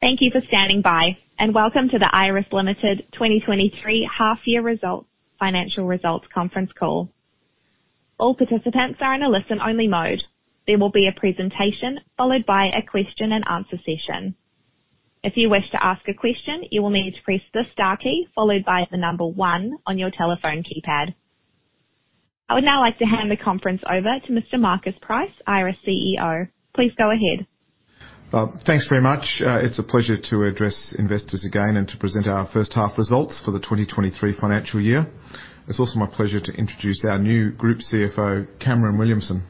Thank you for standing by, and welcome to the Iress Limited 2023 half-year results, financial results conference call. All participants are in a listen-only mode. There will be a presentation, followed by a question and answer session. If you wish to ask a question, you will need to press the star key followed by the number one on your telephone keypad. I would now like to hand the conference over to Mr. Marcus Price, Iress CEO. Please go ahead. Well, thanks very much. It's a pleasure to address investors again and to present our first half results for the 2023 financial year. It's also my pleasure to introduce our new group CFO, Cameron Williamson.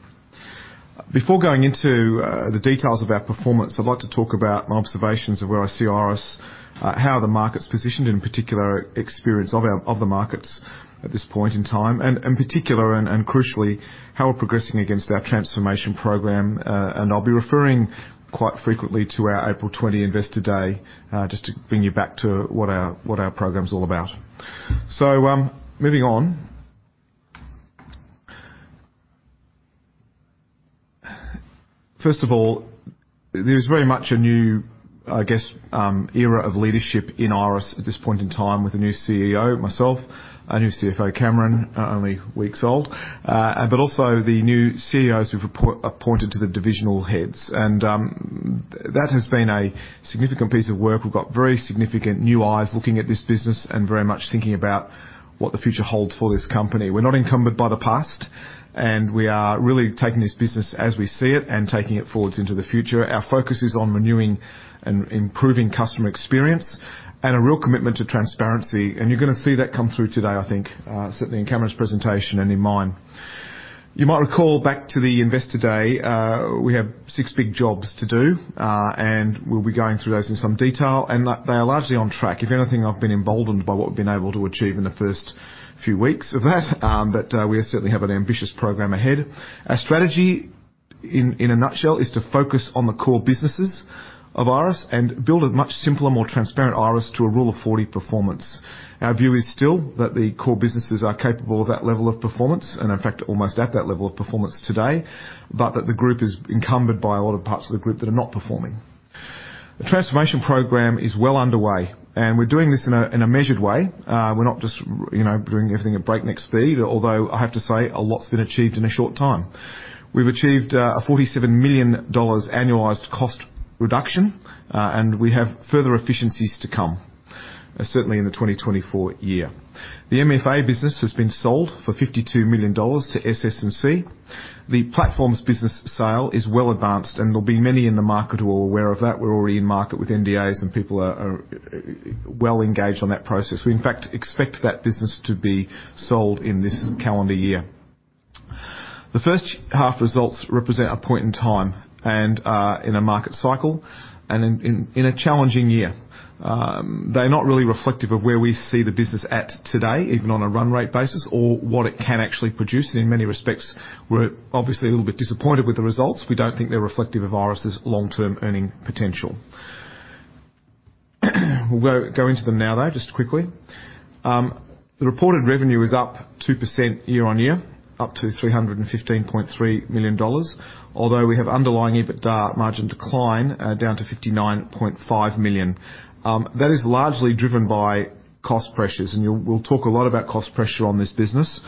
Before going into the details of our performance, I'd like to talk about my observations of where I see Iress, how the market's positioned, in particular experience of our, of the markets at this point in time, and, and particular and, and crucially, how we're progressing against our transformation program. I'll be referring quite frequently to our April 20 Investor Day, just to bring you back to what our, what our program is all about. Moving on. First of all, there's very much a new, I guess, era of leadership in Iress at this point in time, with a new CEO, myself, a new CFO, Cameron, only weeks old, but also the new CEOs who've appointed to the divisional heads, and that has been a significant piece of work. We've got very significant new eyes looking at this business and very much thinking about what the future holds for this company. We're not encumbered by the past, and we are really taking this business as we see it and taking it forwards into the future. Our focus is on renewing and improving customer experience and a real commitment to transparency, and you're gonna see that come through today, I think, certainly in Cameron's presentation and in mine. You might recall back to the Investor Day, we have six big jobs to do, and we'll be going through those in some detail, and they are largely on track. If anything, I've been emboldened by what we've been able to achieve in the first few weeks of that, but we certainly have an ambitious program ahead. Our strategy, in, in a nutshell, is to focus on the core businesses of Iress and build a much simpler, more transparent Iress to a Rule of 40 performance. Our view is still that the core businesses are capable of that level of performance and, in fact, almost at that level of performance today, but that the group is encumbered by a lot of parts of the group that are not performing. The transformation program is well underway, and we're doing this in a, in a measured way. We're not just, you know, doing everything at breakneck speed, although I have to say a lot's been achieved in a short time. We've achieved, a 47 million dollars annualized cost reduction, and we have further efficiencies to come, certainly in the 2024 year. The MFA business has been sold for 52 million dollars to SS&C. The platforms business sale is well advanced, and there'll be many in the market who are aware of that. We're already in market with NDAs, and people are, are well engaged on that process. We, in fact, expect that business to be sold in this calendar year. The first half results represent a point in time and, in a market cycle and in, in a challenging year. They're not really reflective of where we see the business at today, even on a run rate basis or what it can actually produce. In many respects, we're obviously a little bit disappointed with the results. We don't think they're reflective of Iress's long-term earning potential. We'll go, go into them now, though, just quickly. The reported revenue is up 2% year-on-year, up to 315.3 million dollars, although we have underlying EBITDA margin decline, down to 59.5 million. That is largely driven by cost pressures, and we'll, we'll talk a lot about cost pressure on this business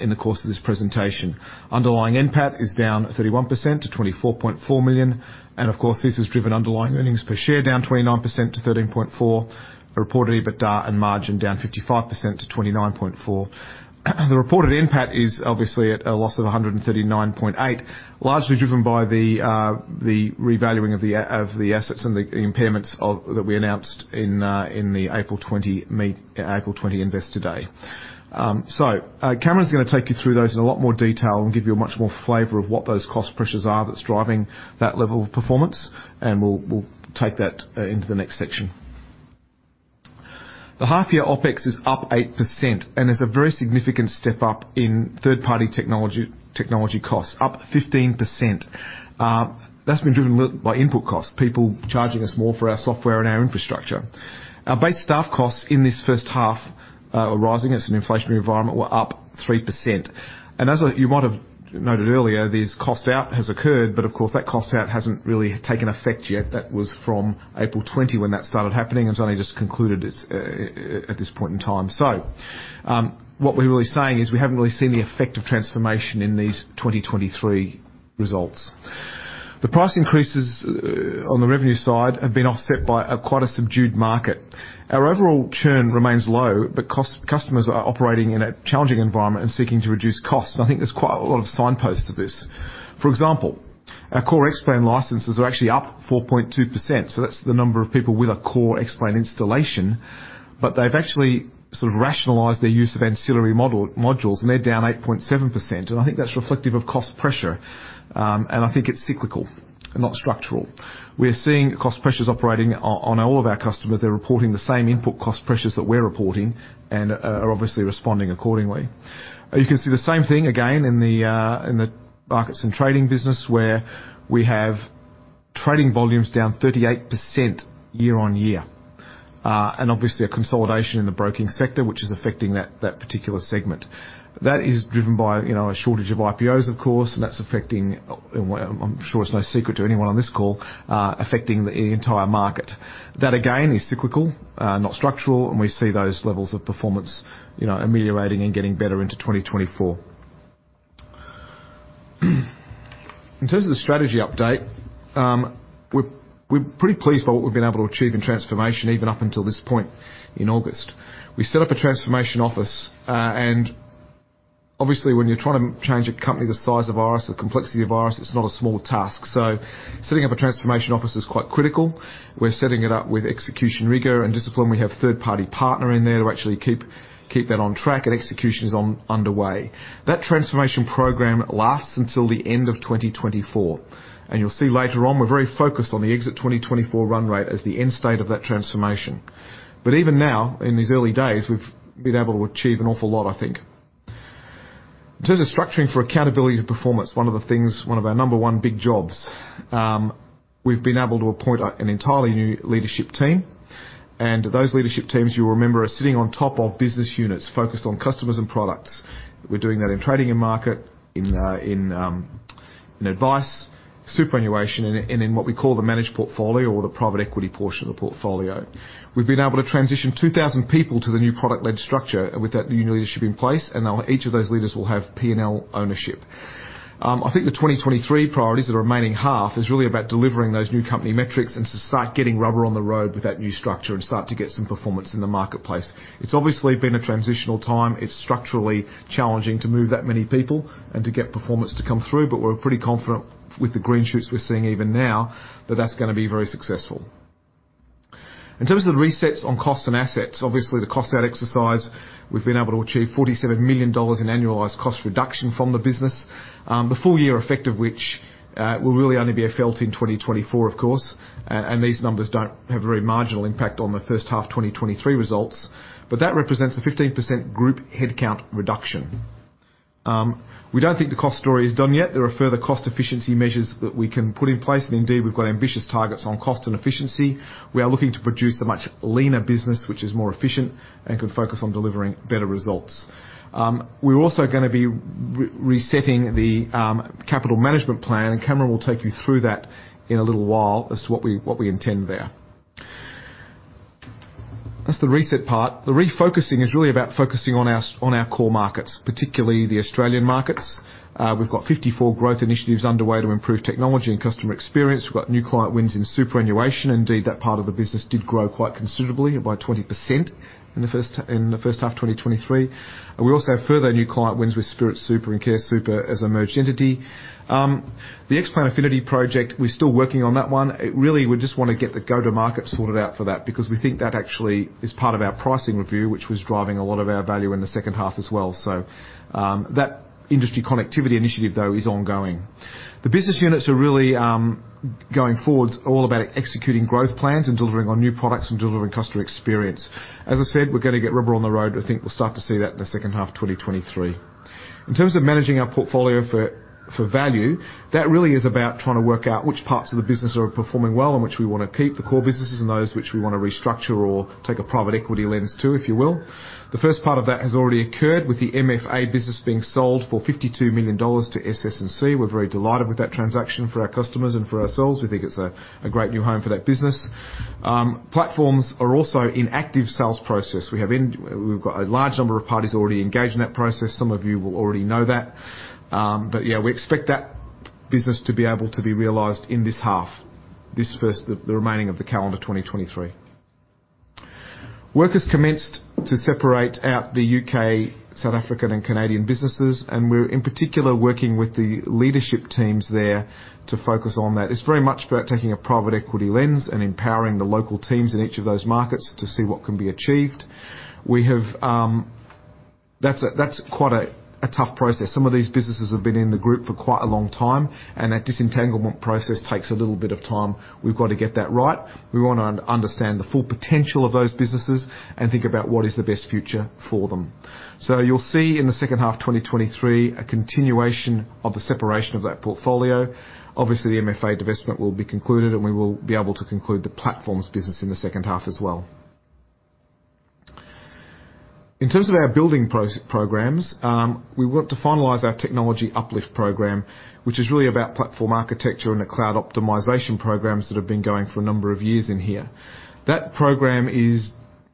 in the course of this presentation. Underlying NPAT is down 31% to 24.4 million, and of course, this has driven underlying earnings per share down 29% to 13.4 million. Reported EBITDA and margin down 55% to 29.4 million. The reported NPAT is obviously at a loss of 139.8 million, largely driven by the revaluing of the assets and the impairments that we announced in the April 20 Investor Day. Cameron's gonna take you through those in a lot more detail and give you a much more flavor of what those cost pressures are that's driving that level of performance, and we'll, we'll take that into the next section. The half year OpEx is up 8% and is a very significant step-up in third-party technology, technology costs, up 15%. That's been driven by input costs, people charging us more for our software and our infrastructure. Our base staff costs in this first half are rising as an inflationary environment, we're up 3%. As you might have noted earlier, this cost-out has occurred, but of course, that cost-out hasn't really taken effect yet. That was from April 20 when that started happening, and it's only just concluded it's, at this point in time. What we're really saying is we haven't really seen the effect of transformation in these 2023 results. The price increases on the revenue side have been offset by a quite a subdued market. Our overall churn remains low, but customers are operating in a challenging environment and seeking to reduce costs. I think there's quite a lot of signposts to this. For example, our core Xplan licenses are actually up 4.2%, so that's the number of people with a core Xplan installation, but they've actually sort of rationalized their use of ancillary modules, and they're down 8.7%, and I think that's reflective of cost pressure, and I think it's cyclical and not structural. We are seeing cost pressures operating on all of our customers. They're reporting the same input cost pressures that we're reporting and are obviously responding accordingly. You can see the same thing again in the markets and trading business, where we have trading volumes down 38% year-on-year. Obviously, a consolidation in the broking sector, which is affecting that particular segment. That is driven by, you know, a shortage of IPOs, of course, and that's affecting, well, I'm sure it's no secret to anyone on this call, affecting the entire market. That, again, is cyclical, not structural, and we see those levels of performance, you know, ameliorating and getting better into 2024. In terms of the strategy update, we're, we're pretty pleased by what we've been able to achieve in transformation, even up until this point in August. We set up a transformation office, and obviously, when you're trying to change a company the size of ours, the complexity of ours, it's not a small task. Setting up a transformation office is quite critical. We're setting it up with execution rigor and discipline. We have third-party partner in there to actually keep, keep that on track, and execution is underway. That transformation program lasts until the end of 2024, and you'll see later on, we're very focused on the exit 2024 run rate as the end state of that transformation. But even now, in these early days, we've been able to achieve an awful lot, I think. In terms of structuring for accountability to performance, one of the things, one of our number one big jobs, we've been able to appoint an entirely new leadership team, and those leadership teams, you remember, are sitting on top of business units focused on customers and products. We're doing that in trading and market, in advice, superannuation, and in what we call the managed portfolio or the private equity portion of the portfolio. We've been able to transition 2,000 people to the new product-led structure, with that new leadership in place, and now each of those leaders will have P&L ownership. I think the 2023 priorities, the remaining half, is really about delivering those new company metrics and to start getting rubber on the road with that new structure and start to get some performance in the marketplace. It's obviously been a transitional time. It's structurally challenging to move that many people and to get performance to come through, but we're pretty confident with the green shoots we're seeing even now that that's gonna be very successful. In terms of the resets on costs and assets, obviously, the cost-out exercise, we've been able to achieve 47 million dollars in annualized cost reduction from the business. The full year effect of which will really only be felt in 2024, of course. These numbers don't have a very marginal impact on the first half of 2023 results, but that represents a 15% group headcount reduction. We don't think the cost story is done yet. There are further cost efficiency measures that we can put in place, and indeed, we've got ambitious targets on cost and efficiency. We are looking to produce a much leaner business, which is more efficient and can focus on delivering better results. We're also gonna be re-resetting the capital management plan, and Cameron will take you through that in a little while as to what we, what we intend there. That's the reset part. The refocusing is really about focusing on our, on our core markets, particularly the Australian markets. We've got 54 growth initiatives underway to improve technology and customer experience. We've got new client wins in superannuation. Indeed, that part of the business did grow quite considerably, by 20% in the first, in the first half of 2023. We also have further new client wins with Spirit Super and CareSuper as a merged entity. The Xplan Affinity project, we're still working on that one. It really, we just want to get the go-to-market sorted out for that because we think that actually is part of our pricing review, which was driving a lot of our value in the second half as well. That industry connectivity initiative, though, is ongoing. The business units are really going forwards, all about executing growth plans and delivering on new products and delivering customer experience. As I said, we're gonna get rubber on the road. I think we'll start to see that in the second half of 2023. In terms of managing our portfolio for, for value, that really is about trying to work out which parts of the business are performing well and which we wanna keep the core businesses and those which we wanna restructure or take a private equity lens to, if you will. The first part of that has already occurred with the MFA business being sold for 52 million dollars to SS&C. We're very delighted with that transaction for our customers and for ourselves. We think it's a, a great new home for that business. Platforms are also in active sales process. We've got a large number of parties already engaged in that process. Some of you will already know that. Yeah, we expect that business to be able to be realized in this half, the remaining of the calendar 2023. Work has commenced to separate out the U.K., South African, and Canadian businesses, and we're, in particular, working with the leadership teams there to focus on that. It's very much about taking a private equity lens and empowering the local teams in each of those markets to see what can be achieved. We have. That's quite a tough process. Some of these businesses have been in the group for quite a long time, and that disentanglement process takes a little bit of time. We've got to get that right. We want to understand the full potential of those businesses and think about what is the best future for them. You'll see, in the second half of 2023, a continuation of the separation of that portfolio. Obviously, the MFA divestment will be concluded, and we will be able to conclude the platforms business in the second half as well. In terms of our building programs, we want to finalize our technology uplift program, which is really about platform architecture and the cloud optimization programs that have been going for a number of years in here. That program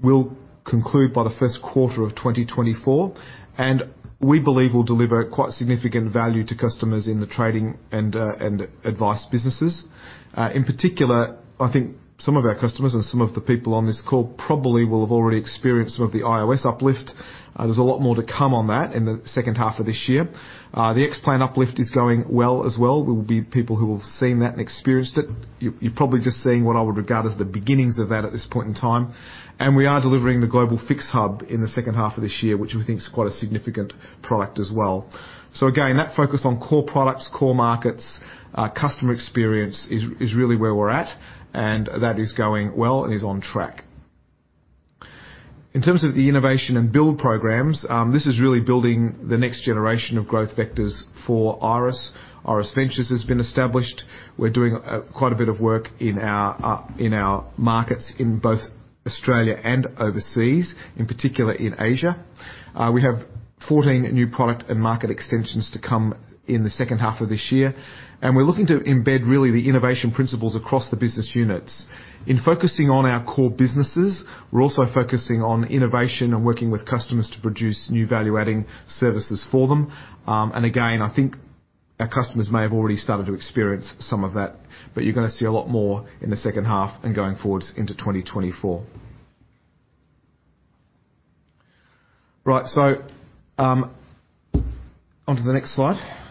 will conclude by the first quarter of 2024, and we believe will deliver quite significant value to customers in the trading and advice businesses. In particular, I think some of our customers and some of the people on this call probably will have already experienced some of the IOS uplift. There's a lot more to come on that in the second half of this year. The Xplan uplift is going well as well. We will be people who have seen that and experienced it. You, you're probably just seeing what I would regard as the beginnings of that at this point in time. We are delivering the Iress FIX Hub in the second half of this year, which we think is quite a significant product as well. Again, that focus on core products, core markets, customer experience is, is really where we're at, and that is going well and is on track. In terms of the innovation and build programs, this is really building the next generation of growth vectors for Iress. Iress Ventures has been established. We're doing quite a bit of work in our in our markets in both Australia and overseas, in particular in Asia. We have 14 new product and market extensions to come in the second half of this year, and we're looking to embed really the innovation principles across the business units. In focusing on our core businesses, we're also focusing on innovation and working with customers to produce new value-adding services for them. And again, I think our customers may have already started to experience some of that, but you're gonna see a lot more in the second half and going forwards into 2024. Right, onto the next slide.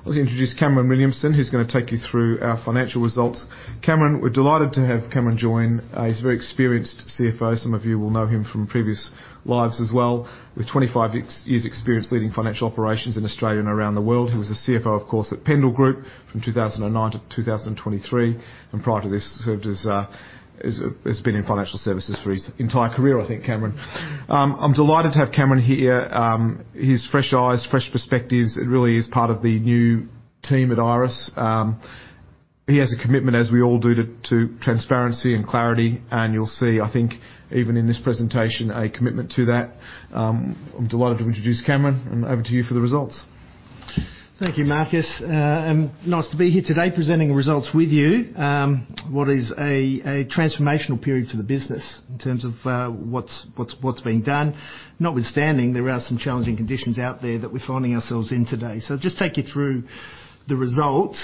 I'd like to introduce Cameron Williamson, who's gonna take you through our financial results. Cameron, we're delighted to have Cameron join. He's a very experienced CFO. Some of you will know him from previous lives as well, with 25 years experience leading financial operations in Australia and around the world. He was the CFO, of course, at Pendal Group from 2009 to 2023. Prior to this, served as been in financial services for his entire career, I think, Cameron. I'm delighted to have Cameron here. His fresh eyes, fresh perspectives, it really is part of the new team at Iress. He has a commitment, as we all do, to transparency and clarity, and you'll see, I think, even in this presentation, a commitment to that. I'm delighted to introduce Cameron, and over to you for the results. Thank you, Marcus. Nice to be here today, presenting results with you. What is a, a transformational period for the business in terms of, what's, what's, what's being done. Notwithstanding, there are some challenging conditions out there that we're finding ourselves in today. Just take you through the results.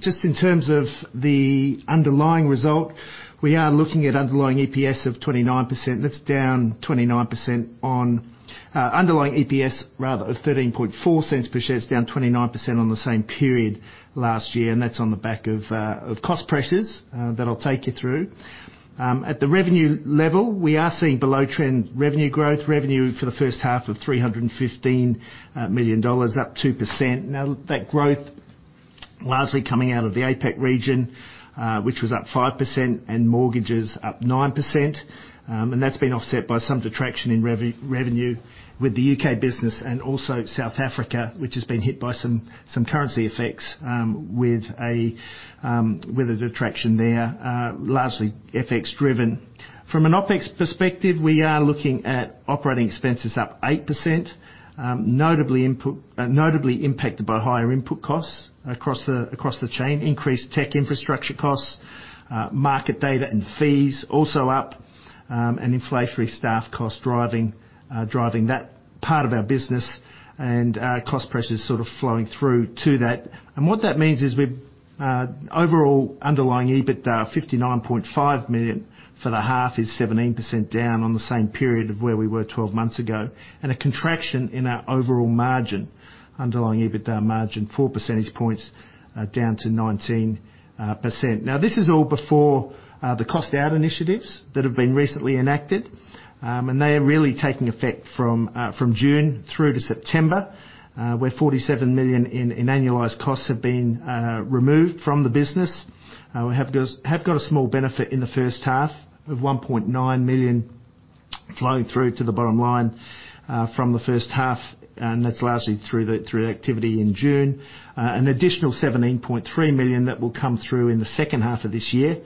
Just in terms of the underlying result, we are looking at underlying EPS of 29%. That's down 29% on underlying EPS, rather, of 0.134 per share, down 29% on the same period last year, and that's on the back of cost pressures that I'll take you through. At the revenue level, we are seeing below-trend revenue growth. Revenue for the first half of 315 million dollars, up 2%. That growth largely coming out of the APAC region, which was up 5%, and mortgages up 9%. That's been offset by some detraction in revenue with the U.K. business and also South Africa, which has been hit by some, some currency effects, with a detraction there, largely FX driven. From an OpEx perspective, we are looking at operating expenses up 8%. Notably impacted by higher input costs across the, across the chain. Increased tech infrastructure costs, market data and fees also up, and inflationary staff costs driving that part of our business, and cost pressures sort of flowing through to that. What that means is we've, overall underlying EBITDA, 59.5 million for the half is 17% down on the same period of where we were 12 months ago, and a contraction in our overall margin. Underlying EBITDA margin, 4 percentage points, down to 19%. Now, this is all before the cost-out initiatives that have been recently enacted. They are really taking effect from June through to September, where 47 million in, in annualized costs have been removed from the business. We have got, have got a small benefit in the first half of 1.9 million flowing through to the bottom line, from the first half, and that's largely through the, through activity in June. An additional 17.3 million that will come through in the second half of this year,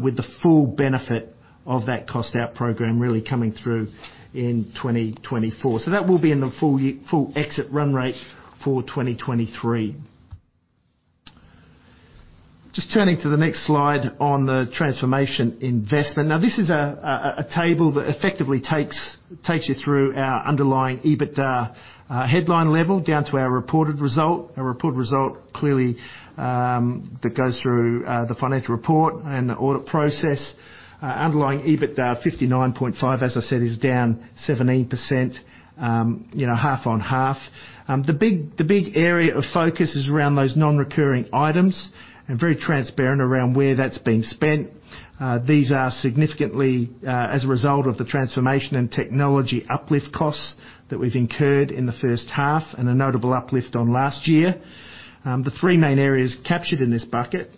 with the full benefit of that cost-out program really coming through in 2024. That will be in the full year, full exit run rate for 2023. Just turning to the next slide on the transformation investment. This is a table that effectively takes, takes you through our underlying EBITDA, headline level down to our reported result. Our reported result, clearly, that goes through the financial report and the audit process. Underlying EBITDA, 59.5, as I said, is down 17%, you know, half-on-half. The big, the big area of focus is around those non-recurring items and very transparent around where that's being spent. These are significantly as a result of the transformation and technology uplift costs that we've incurred in the first half and a notable uplift on last year. The three main areas captured in this bucket,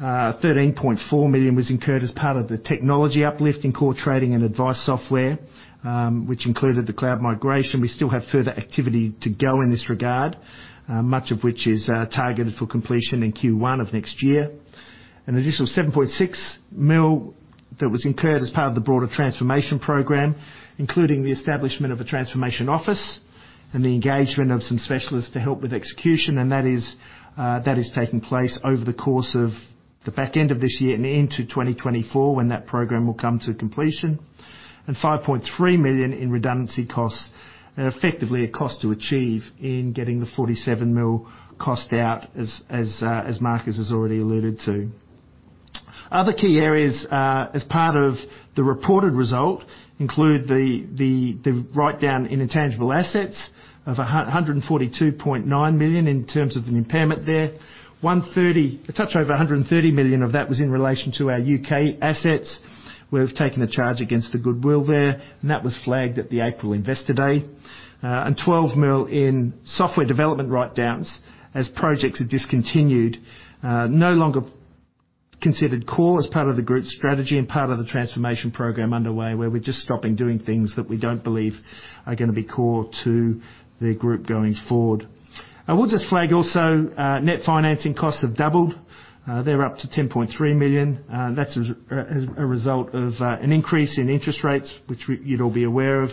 13.4 million was incurred as part of the technology uplift in core trading and advice software, which included the cloud migration. We still have further activity to go in this regard, much of which is targeted for completion in Q1 of next year. An additional 7.6 million that was incurred as part of the broader transformation program, including the establishment of a transformation office and the engagement of some specialists to help with execution, and that is, that is taking place over the course of the back end of this year and into 2024, when that program will come to completion. 5.3 million in redundancy costs and effectively a cost to achieve in getting the 47 million cost-out, as Marcus has already alluded to. Other key areas, as part of the reported result include the write-down in intangible assets of 142.9 million in terms of the impairment there. A touch over 130 million of that was in relation to our U.K. assets, where we've taken a charge against the goodwill there, and that was flagged at the April Investor Day. 12 million in software development write-downs as projects are discontinued. No longer considered core as part of the group's strategy and part of the transformation program underway, where we're just stopping doing things that we don't believe are gonna be core to the group going forward. I will just flag also, net financing costs have doubled. They're up to 10.3 million. That's as, as a result of an increase in interest rates, which you'd all be aware of,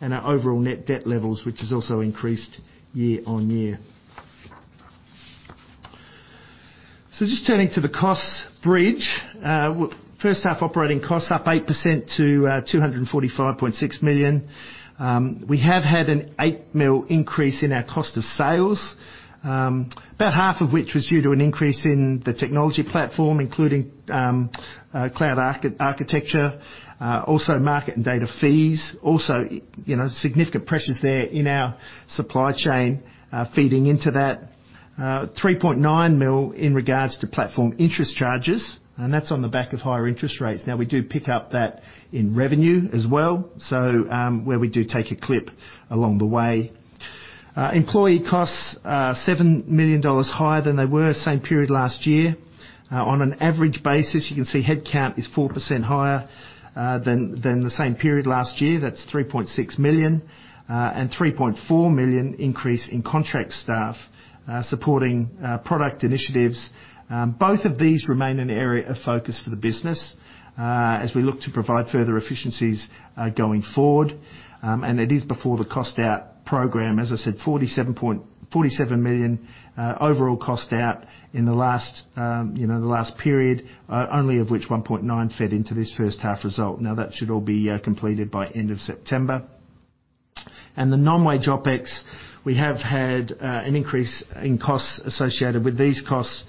and our overall net debt levels, which has also increased year-on-year. Just turning to the costs bridge. First half operating costs up 8% to 245.6 million. We have had an 8 million increase in our cost of sales, about half of which was due to an increase in the technology platform, including cloud architecture, also market and data fees, also, you know, significant pressures there in our supply chain, feeding into that. 3.9 million in regards to platform interest charges, and that's on the back of higher interest rates. Now, we do pick up that in revenue as well, so, where we do take a clip along the way. Employee costs, 7 million dollars higher than they were same period last year. On an average basis, you can see headcount is 4% higher than the same period last year. That's 3.6 million and 3.4 million increase in contract staff, supporting product initiatives. Both of these remain an area of focus for the business as we look to provide further efficiencies going forward. It is before the cost-out program, as I said, 47 million overall cost-out in the last, you know, the last period, only of which 1.9 fed into this first half result. That should all be completed by end of September. The non-wage OpEx, we have had an increase in costs associated with these costs.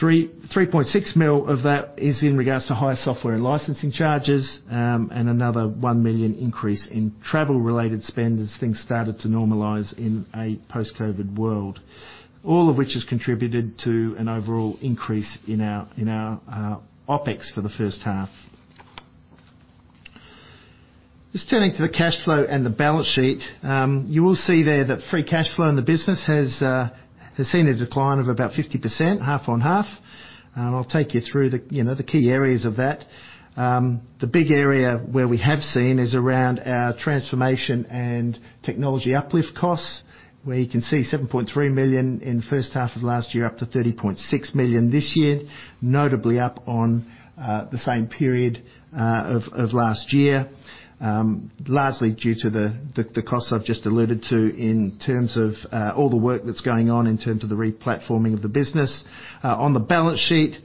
3.6 million of that is in regards to higher software and licensing charges, and another 1 million increase in travel-related spend as things started to normalize in a post-COVID world, all of which has contributed to an overall increase in our, in our OpEx for the first half. Just turning to the cash flow and the balance sheet. You will see there that free cash flow in the business has seen a decline of about 50%, half-on-half. I'll take you through the, you know, the key areas of that. The big area where we have seen is around our transformation and technology uplift costs, where you can see 7.3 million in first half of last year, up to 30.6 million this year, notably up on the same period of last year. Largely due to the, the, the costs I've just alluded to in terms of all the work that's going on in terms of the replatforming of the business. On the balance sheet,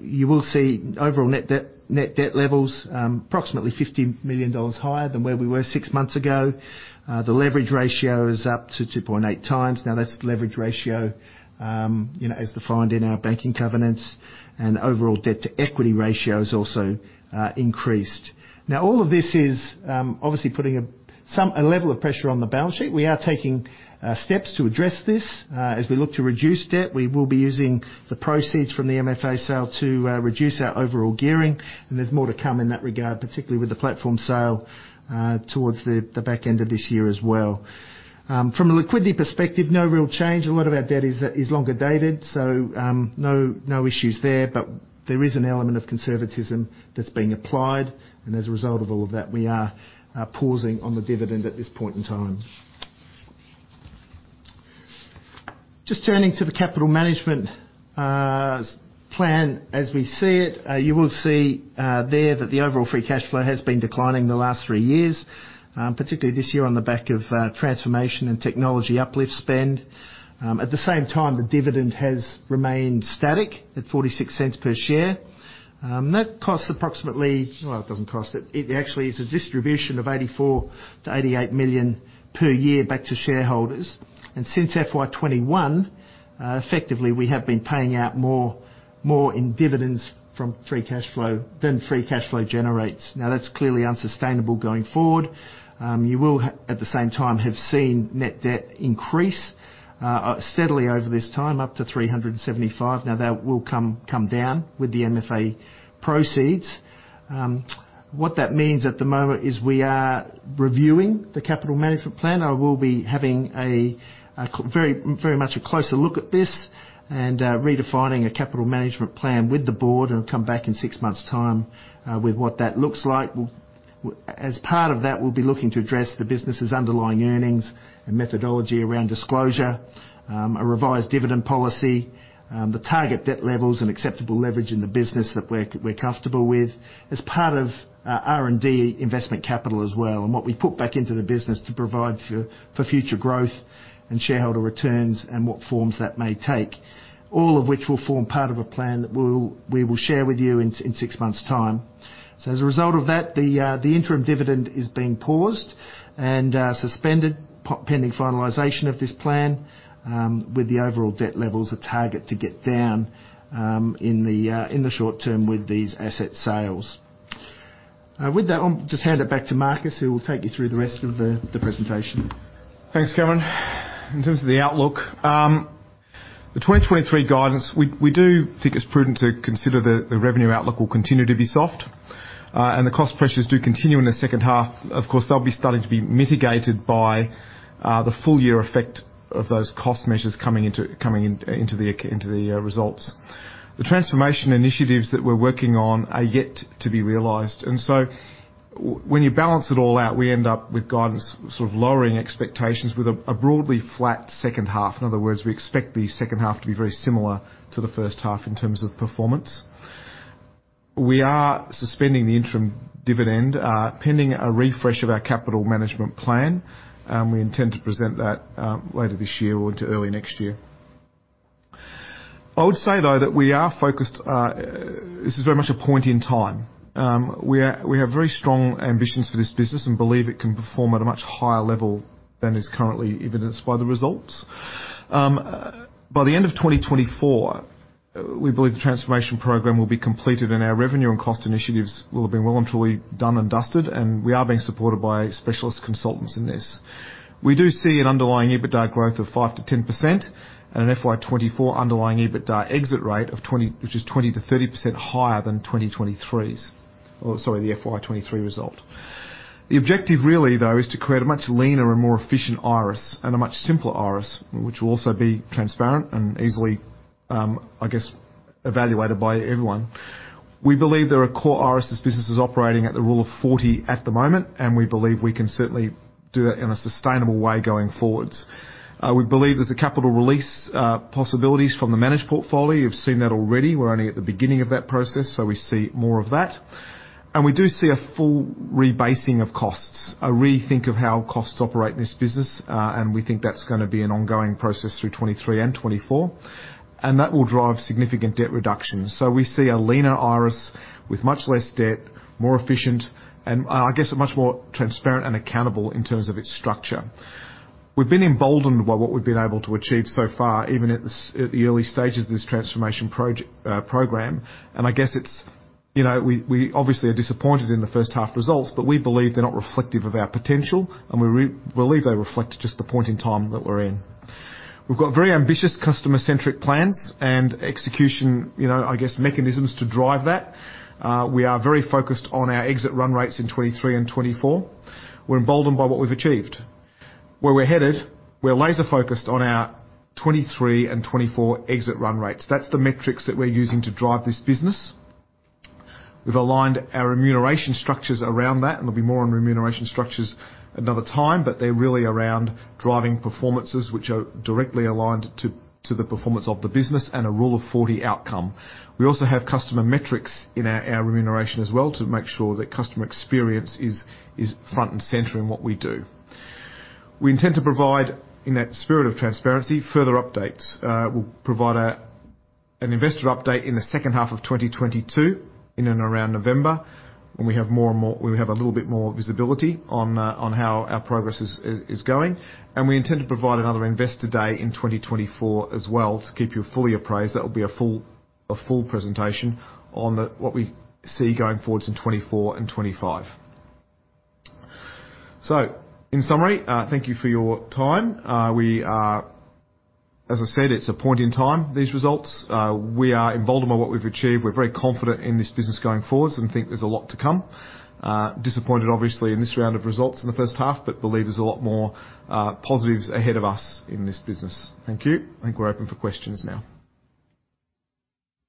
you will see overall net debt, net debt levels, approximately 50 million dollars higher than where we were six months ago. The leverage ratio is up to 2.8x. That's the leverage ratio, you know, as defined in our banking covenants, and overall debt-to-equity ratio is also increased. All of this is obviously putting a some, a level of pressure on the balance sheet. We are taking steps to address this. As we look to reduce debt, we will be using the proceeds from the MFA sale to reduce our overall gearing, and there's more to come in that regard, particularly with the platform sale, towards the, the back end of this year as well. From a liquidity perspective, no real change. A lot of our debt is, is longer dated, so no, no issues there, but there is an element of conservatism that's being applied. As a result of all of that, we are pausing on the dividend at this point in time. Just turning to the capital management plan. As we see it, you will see there that the overall free cash flow has been declining the last three years, particularly this year on the back of transformation and technology uplift spend. At the same time, the dividend has remained static at 0.46 per share. That costs approximately... Well, it doesn't cost, it, it actually is a distribution of 84 million-88 million per year back to shareholders. Since FY 2021, effectively, we have been paying out more, more in dividends from free cash flow than free cash flow generates. That's clearly unsustainable going forward. You will, at the same time, have seen net debt increase steadily over this time, up to 375. That will come, come down with the MFA proceeds. What that means at the moment is we are reviewing the capital management plan. I will be having a, a very, very much a closer look at this and redefining a capital management plan with the board and come back in six months' time with what that looks like. As part of that, we'll be looking to address the business's underlying earnings and methodology around disclosure, a revised dividend policy, the target debt levels and acceptable leverage in the business that we're, we're comfortable with, as part of our R&D investment capital as well, and what we put back into the business to provide for, for future growth and shareholder returns and what forms that may take. All of which will form part of a plan that we'll, we will share with you in, in six months' time. As a result of that, the, the interim dividend is being paused and suspended, pending finalization of this plan, with the overall debt levels of target to get down, in the short term with these asset sales. With that, I'll just hand it back to Marcus, who will take you through the rest of the, the presentation. Thanks, Cameron. In terms of the outlook, the 2023 guidance, we, we do think it's prudent to consider the, the revenue outlook will continue to be soft. The cost pressures do continue in the second half, of course, they'll be starting to be mitigated by the full year effect of those cost measures coming into, coming in, into the, into the results. The transformation initiatives that we're working on are yet to be realized. When you balance it all out, we end up with guidance, sort of lowering expectations with a, a broadly flat second half. In other words, we expect the second half to be very similar to the first half in terms of performance. We are suspending the interim dividend, pending a refresh of our capital management plan. We intend to present that later this year or into early next year. I would say, though, that we are focused. This is very much a point in time. We have very strong ambitions for this business and believe it can perform at a much higher level than is currently evidenced by the results. By the end of 2024, we believe the transformation program will be completed and our revenue and cost initiatives will have been well and truly done and dusted. We are being supported by specialist consultants in this. We do see an underlying EBITDA growth of 5%-10% and an FY 2024 underlying EBITDA exit rate of 20— which is 20%-30% higher than 2023's or, sorry, the FY 2023 result. The objective really, though, is to create a much leaner and more efficient Iress, and a much simpler Iress, which will also be transparent and easily, I guess, evaluated by everyone. We believe there are core Iress's businesses operating at the Rule of 40 at the moment. We believe we can certainly do it in a sustainable way going forwards. We believe there's a capital release, possibilities from the managed portfolio. You've seen that already. We're only at the beginning of that process. We see more of that. We do see a full rebasing of costs, a rethink of how costs operate in this business, and we think that's gonna be an ongoing process through 2023 and 2024. That will drive significant debt reductions. We see a leaner Iress with much less debt, more efficient, and, I guess, a much more transparent and accountable in terms of its structure. We've been emboldened by what we've been able to achieve so far, even at the early stages of this transformation projec— program. I guess it's, you know, we, we obviously are disappointed in the first half results, but we believe they're not reflective of our potential, and we believe they reflect just the point in time that we're in. We've got very ambitious customer-centric plans and execution, you know, I guess, mechanisms to drive that. We are very focused on our exit run rates in 2023 and 2024. We're emboldened by what we've achieved. Where we're headed, we're laser-focused on our 2023 and 2024 exit run rates. That's the metrics that we're using to drive this business. We've aligned our remuneration structures around that, and there'll be more on remuneration structures another time, but they're really around driving performances, which are directly aligned to the performance of the business and a Rule of 40 outcome. We also have customer metrics in our remuneration as well, to make sure that customer experience is front and center in what we do. We intend to provide, in that spirit of transparency, further updates. We'll provide an investor update in the second half of 2022, in and around November, when we have a little bit more visibility on how our progress is going. We intend to provide another Investor Day in 2024 as well, to keep you fully apprised. That will be a full, a full presentation on what we see going forwards in 2024 and 2025. In summary, thank you for your time. We are, as I said, it's a point in time, these results. We are emboldened by what we've achieved. We're very confident in this business going forwards and think there's a lot to come. Disappointed, obviously, in this round of results in the first half, but believe there's a lot more positives ahead of us in this business. Thank you. I think we're open for questions now.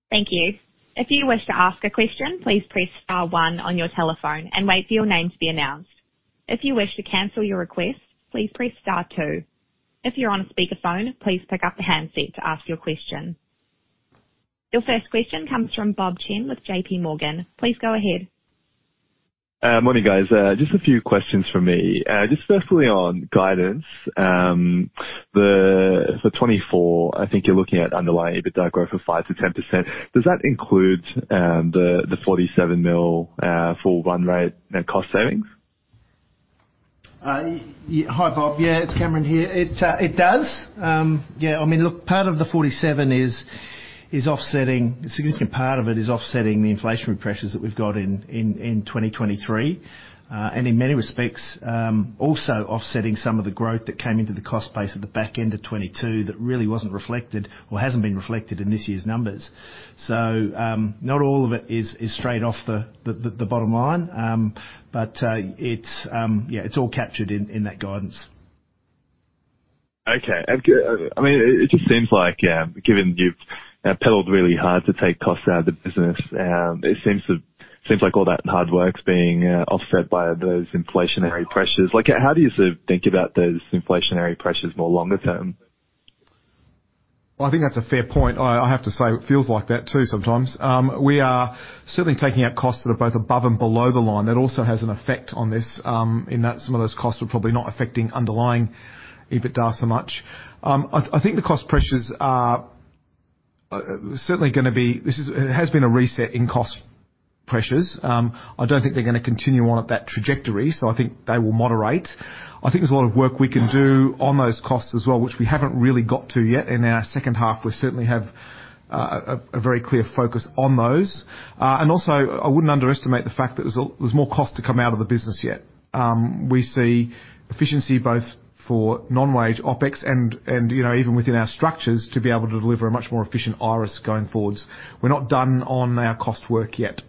Thank you. If you wish to ask a question, please press star one on your telephone and wait for your name to be announced. If you wish to cancel your request, please press star two. If you're on a speakerphone, please pick up the handset to ask your question. Your first question comes from Bob Chen with JPMorgan. Please go ahead. Morning, guys. Just a few questions from me. Just firstly on guidance, for 2024, I think you're looking at underlying EBITDA growth of 5%-10%. Does that include the 47 million full run rate and cost savings? Yeah. Hi, Bob. Yeah, it's Cameron here. It, it does. Yeah, I mean, look, part of the 47 million is, is offsetting... Significant part of it is offsetting the inflationary pressures that we've got in, in, in 2023. In many respects, also offsetting some of the growth that came into the cost base at the back end of 2022, that really wasn't reflected or hasn't been reflected in this year's numbers. Not all of it is, is straight off the, the, the bottom line. It's, yeah, it's all captured in, in that guidance. Okay. I mean, it just seems like, given you've pedalled really hard to take costs out of the business, it seems like all that hard work's being offset by those inflationary pressures. Like, how do you sort of think about those inflationary pressures more longer term? I think that's a fair point. I, I have to say, it feels like that too, sometimes. We are certainly taking out costs that are both above and below the line. That also has an effect on this, in that some of those costs are probably not affecting underlying EBITDA so much. I, I think the cost pressures are certainly gonna be... it has been a reset in cost pressures. I don't think they're gonna continue on at that trajectory, so I think they will moderate. I think there's a lot of work we can do on those costs as well, which we haven't really got to yet. In our second half, we certainly have a, a very clear focus on those. Also, I wouldn't underestimate the fact that there's, there's more cost to come out of the business yet. We see efficiency both for non-wage OpEx and, and, you know, even within our structures, to be able to deliver a much more efficient Iress going forwards. We're not done on our cost work yet.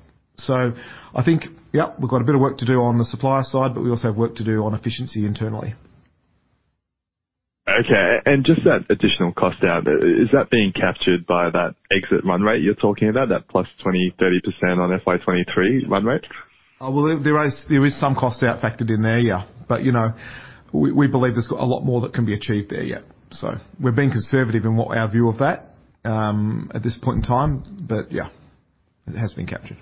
I think, yeah, we've got a bit of work to do on the supplier side, but we also have work to do on efficiency internally. Okay, just that additional cost-out, is that being captured by that exit run rate you're talking about, that +20%, +30% on FY 2023 run rate? Well, there is, there is some cost-out factored in there, yeah. You know, we, we believe there's got a lot more that can be achieved there, yeah. We're being conservative in what our view of that at this point in time. Yeah, it has been captured.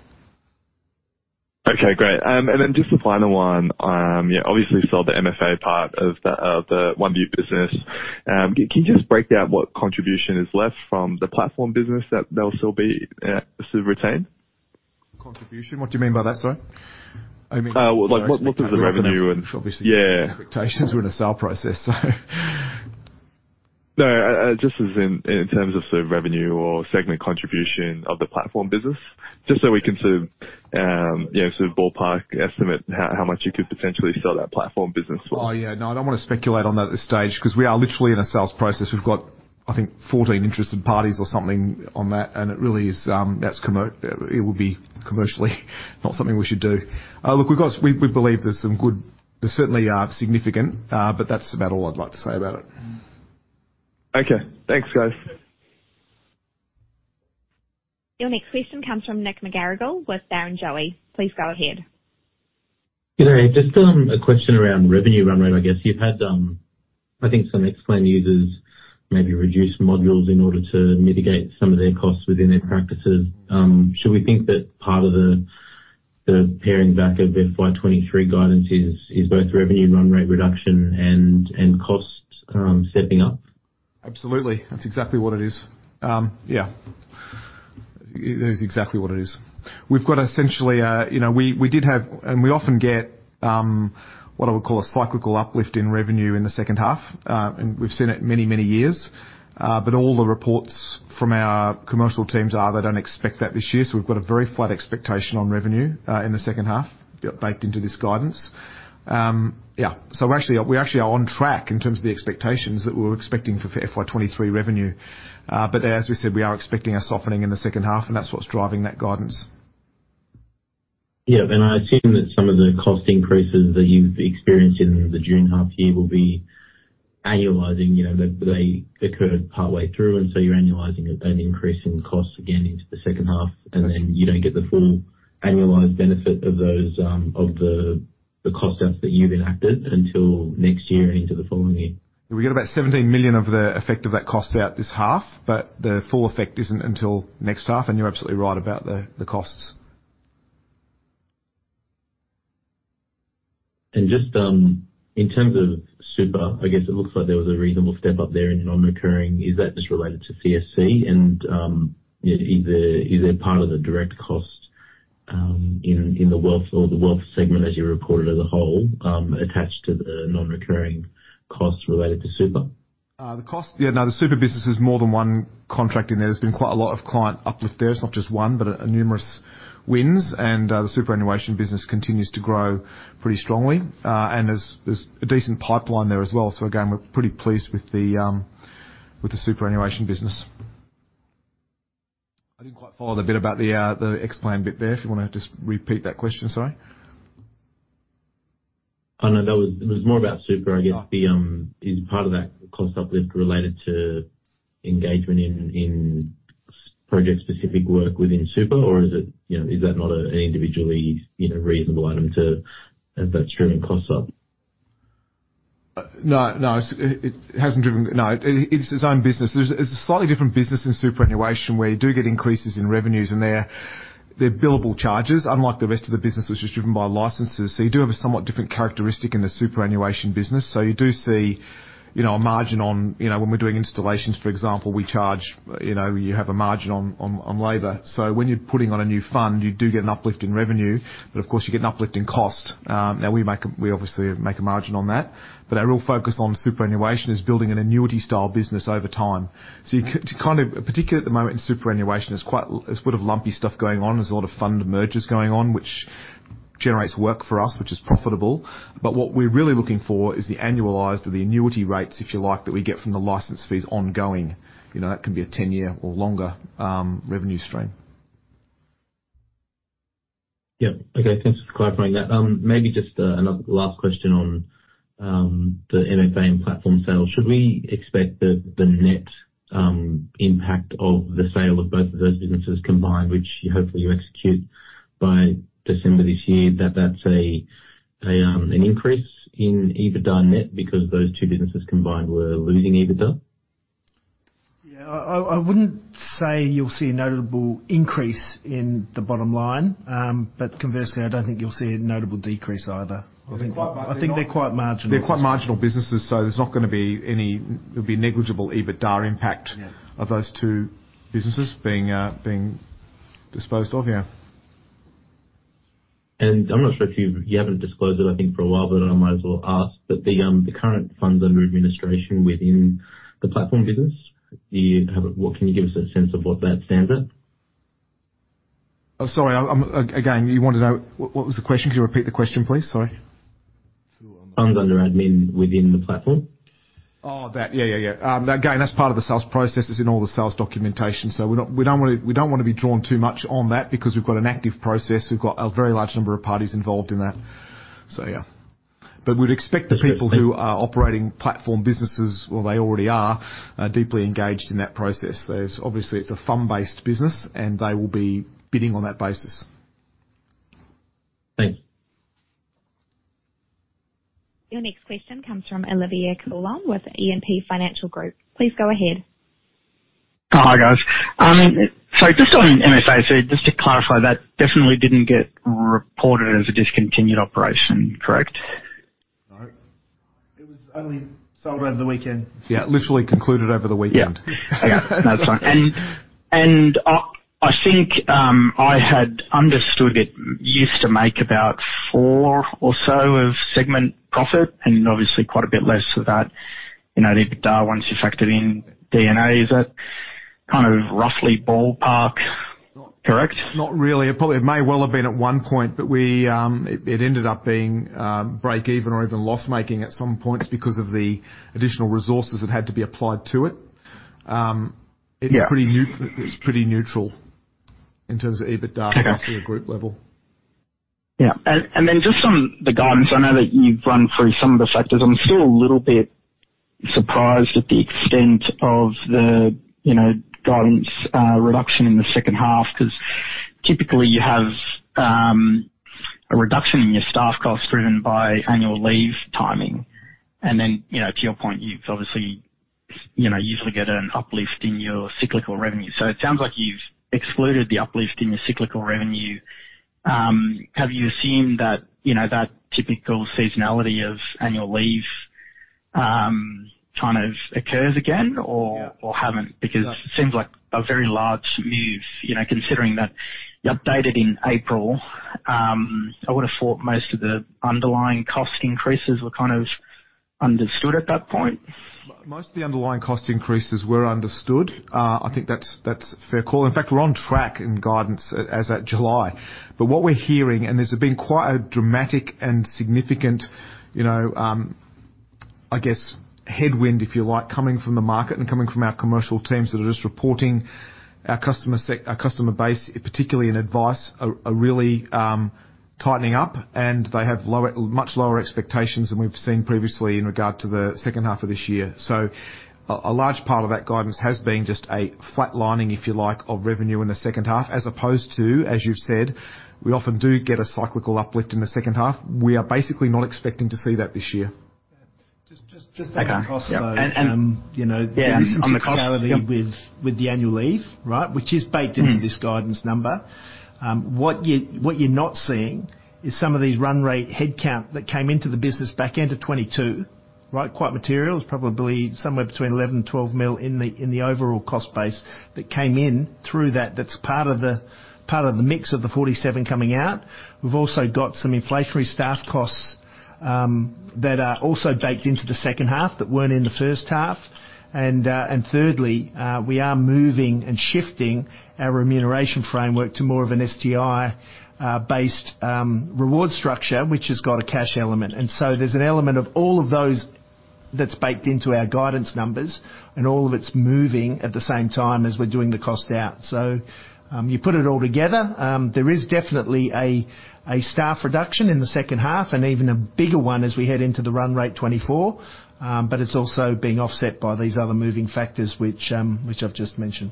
Okay, great. Then just the final one. Yeah, obviously sold the MFA part of the OneVue business. Can, can you just break down what contribution is left from the platform business that, that will still be still retained? Contribution? What do you mean by that, sorry? I mean Well, like, what is the revenue and? Obviously expectations. We're in a sale process, so. No, just as in, in terms of sort of revenue or segment contribution of the platform business, just so we can sort of, you know, sort of ballpark estimate how, how much you could potentially sell that platform business for. Oh, yeah. No, I don't want to speculate on that at this stage, because we are literally in a sales process. We've got, I think, 14 interested parties or something on that. It really is, it would be commercially not something we should do. Look, we've got. We, we believe there's some good, there's certainly significant. That's about all I'd like to say about it. Okay. Thanks, guys. Your next question comes from Nick McGarrigle with Barrenjoey. Please go ahead. Good day. Just a question around revenue run rate. I guess you've had, I think some Xplan users maybe reduce modules in order to mitigate some of their costs within their practices. Should we think that part of the paring back of the FY 2023 guidance is both revenue run rate reduction and cost stepping up? Absolutely. That's exactly what it is. Yeah, it is exactly what it is. We've got essentially a, you know, we, we did have, and we often get, what I would call a cyclical uplift in revenue in the second half. We've seen it many, many years, all the reports from our commercial teams are they don't expect that this year. We've got a very flat expectation on revenue, in the second half baked into this guidance. Yeah, so we're actually, we actually are on track in terms of the expectations that we were expecting for FY 2023 revenue. As we said, we are expecting a softening in the second half, and that's what's driving that guidance. Yeah, I assume that some of the cost increases that you've experienced in the June half year will be annualizing. You know, that they occurred partway through, so you're annualizing that increase in costs again into the second half and you don't get the full annualized benefit of those, of the, the cost cuts that you've enacted until next year and into the following year. We get about 17 million of the effect of that cost-out this half, but the full effect isn't until next half. You're absolutely right about the costs. Just, in terms of Super, I guess it looks like there was a reasonable step up there in the non-recurring. Is that just related to CSC? Is there, is there part of the direct cost, in, in the wealth or the wealth segment, as you reported as a whole, attached to the non-recurring costs related to Super? The cost? Yeah, no, the Super business is more than one contract in there. There's been quite a lot of client uplift there. It's not just one, but a numerous wins. The superannuation business continues to grow pretty strongly. There's, there's a decent pipeline there as well. Again, we're pretty pleased with the superannuation business. I didn't quite follow the bit about the Xplan bit there. If you want to just repeat that question, sorry. Oh, no, that was... It was more about Super, I guess. The, is part of that cost uplift related to engagement in, in project-specific work within super, or is it, you know, is that not a, an individually, you know, reasonable item to, if that's driven costs up? No, no, it, it hasn't driven... No, it, it's its own business. There's, it's a slightly different business in superannuation, where you do get increases in revenues, and they're, they're billable charges, unlike the rest of the business, which is driven by licenses. You do have a somewhat different characteristic in the superannuation business. You do see, you know, a margin on, you know, when we're doing installations, for example, we charge, you know, you have a margin on, on, on labor. When you're putting on a new fund, you do get an uplift in revenue, but of course, you get an uplift in cost. Now, we make a, we obviously make a margin on that, but our real focus on superannuation is building an annuity style business over time. You to kind of, particularly at the moment in superannuation, there's quite, there's a lot of lumpy stuff going on. There's a lot of fund mergers going on, which generates work for us, which is profitable. What we're really looking for is the annualized or the annuity rates, if you like, that we get from the license fees ongoing. You know, that can be a 10-year or longer, revenue stream. Yeah. Okay, thanks for clarifying that. Maybe just another last question on the MFA and platform sales. Should we expect the, the net impact of the sale of both of those businesses combined, which you hopefully you execute by December this year, that that's a, an increase in EBITDA net because those two businesses combined were losing EBITDA? Yeah, I, I, I wouldn't say you'll see a notable increase in the bottom line. Conversely, I don't think you'll see a notable decrease either. I think they're quite marginal. They're quite marginal businesses, so there's not going to be any. It'll be negligible EBITDA impact of those two businesses being, being disposed of. Yeah. I'm not sure if you've, you haven't disclosed it, I think, for a while, but I might as well ask. The current funds under administration within the platform business, you haven't, Can you give us a sense of what that stands at? Oh, sorry. Again, you want to know, what, what was the question? Could you repeat the question, please? Sorry. Funds under admin within the platform? Oh, that. Yeah, yeah, yeah. That, again, that's part of the sales process. It's in all the sales documentation, so we don't, we don't wanna, we don't wanna be drawn too much on that because we've got an active process. We've got a very large number of parties involved in that, so yeah. We'd expect the people who are operating platform businesses, well, they already are deeply engaged in that process. There's obviously, it's a fund-based business, and they will be bidding on that basis. Thank you. Your next question comes from Olivier Coulon with E&P Financial Group. Please go ahead. Oh, hi, guys. Just on MFA, just to clarify, that definitely didn't get reported as a discontinued operation, correct? No. It was only sold over the weekend. Yeah, literally concluded over the weekend. Yeah. Yeah. No, that's fine. I, I think I had understood it used to make about 4 or so of segment profit and obviously quite a bit less of that, you know, the EBITDA once you factored in D&A. Is that kind of roughly ballpark, correct? Not really. It probably it may well have been at one point, but we. It ended up being break even or even loss-making at some points because of the additional resources that had to be applied to it. It's pretty neu- It's pretty neutral in terms of EBITDA group level. Yeah. Then just on the guidance, I know that you've run through some of the factors. I'm still a little bit surprised at the extent of the, you know, guidance reduction in the second half, 'cause typically you have a reduction in your staff costs driven by annual leave timing. Then, you know, to your point, you've obviously, you know, usually get an uplift in your cyclical revenue. It sounds like you've excluded the uplift in your cyclical revenue. Have you assumed that, you know, that typical seasonality of annual leave kind of occurs again or haven't? It seems like a very large move, you know, considering that you updated in April. I would have thought most of the underlying cost increases were kind of understood at that point. Most of the underlying cost increases were understood. I think that's, that's a fair call. In fact, we're on track in guidance as at July. What we're hearing, and there's been quite a dramatic and significant, you know, I guess, headwind, if you like, coming from the market and coming from our commercial teams that are just reporting our customer base, particularly in advice, are, are really tightening up, and they have lower, much lower expectations than we've seen previously in regard to the second half of this year. A, a large part of that guidance has been just a flatlining, if you like, of revenue in the second half, as opposed to, as you've said, we often do get a cyclical uplift in the second half. We are basically not expecting to see that this year. Just on the cost, though, with, with the annual leave, right? Which is baked into this guidance number. What you, what you're not seeing is some of these run rate headcount that came into the business back end of 2022, right? Quite material. It's probably somewhere between 11 million-12 million in the, in the overall cost base that came in through that. That's part of the, part of the mix of the 47 million coming out. We've also got some inflationary staff costs that are also baked into the second half that weren't in the first half. Thirdly, we are moving and shifting our remuneration framework to more of an STI based reward structure, which has got a cash element. There's an element of all of those that's baked into our guidance numbers, and all of it's moving at the same time as we're doing the cost-out. You put it all together, there is definitely a, a staff reduction in the second half and even a bigger one as we head into the run rate 2024. It's also being offset by these other moving factors, which I've just mentioned.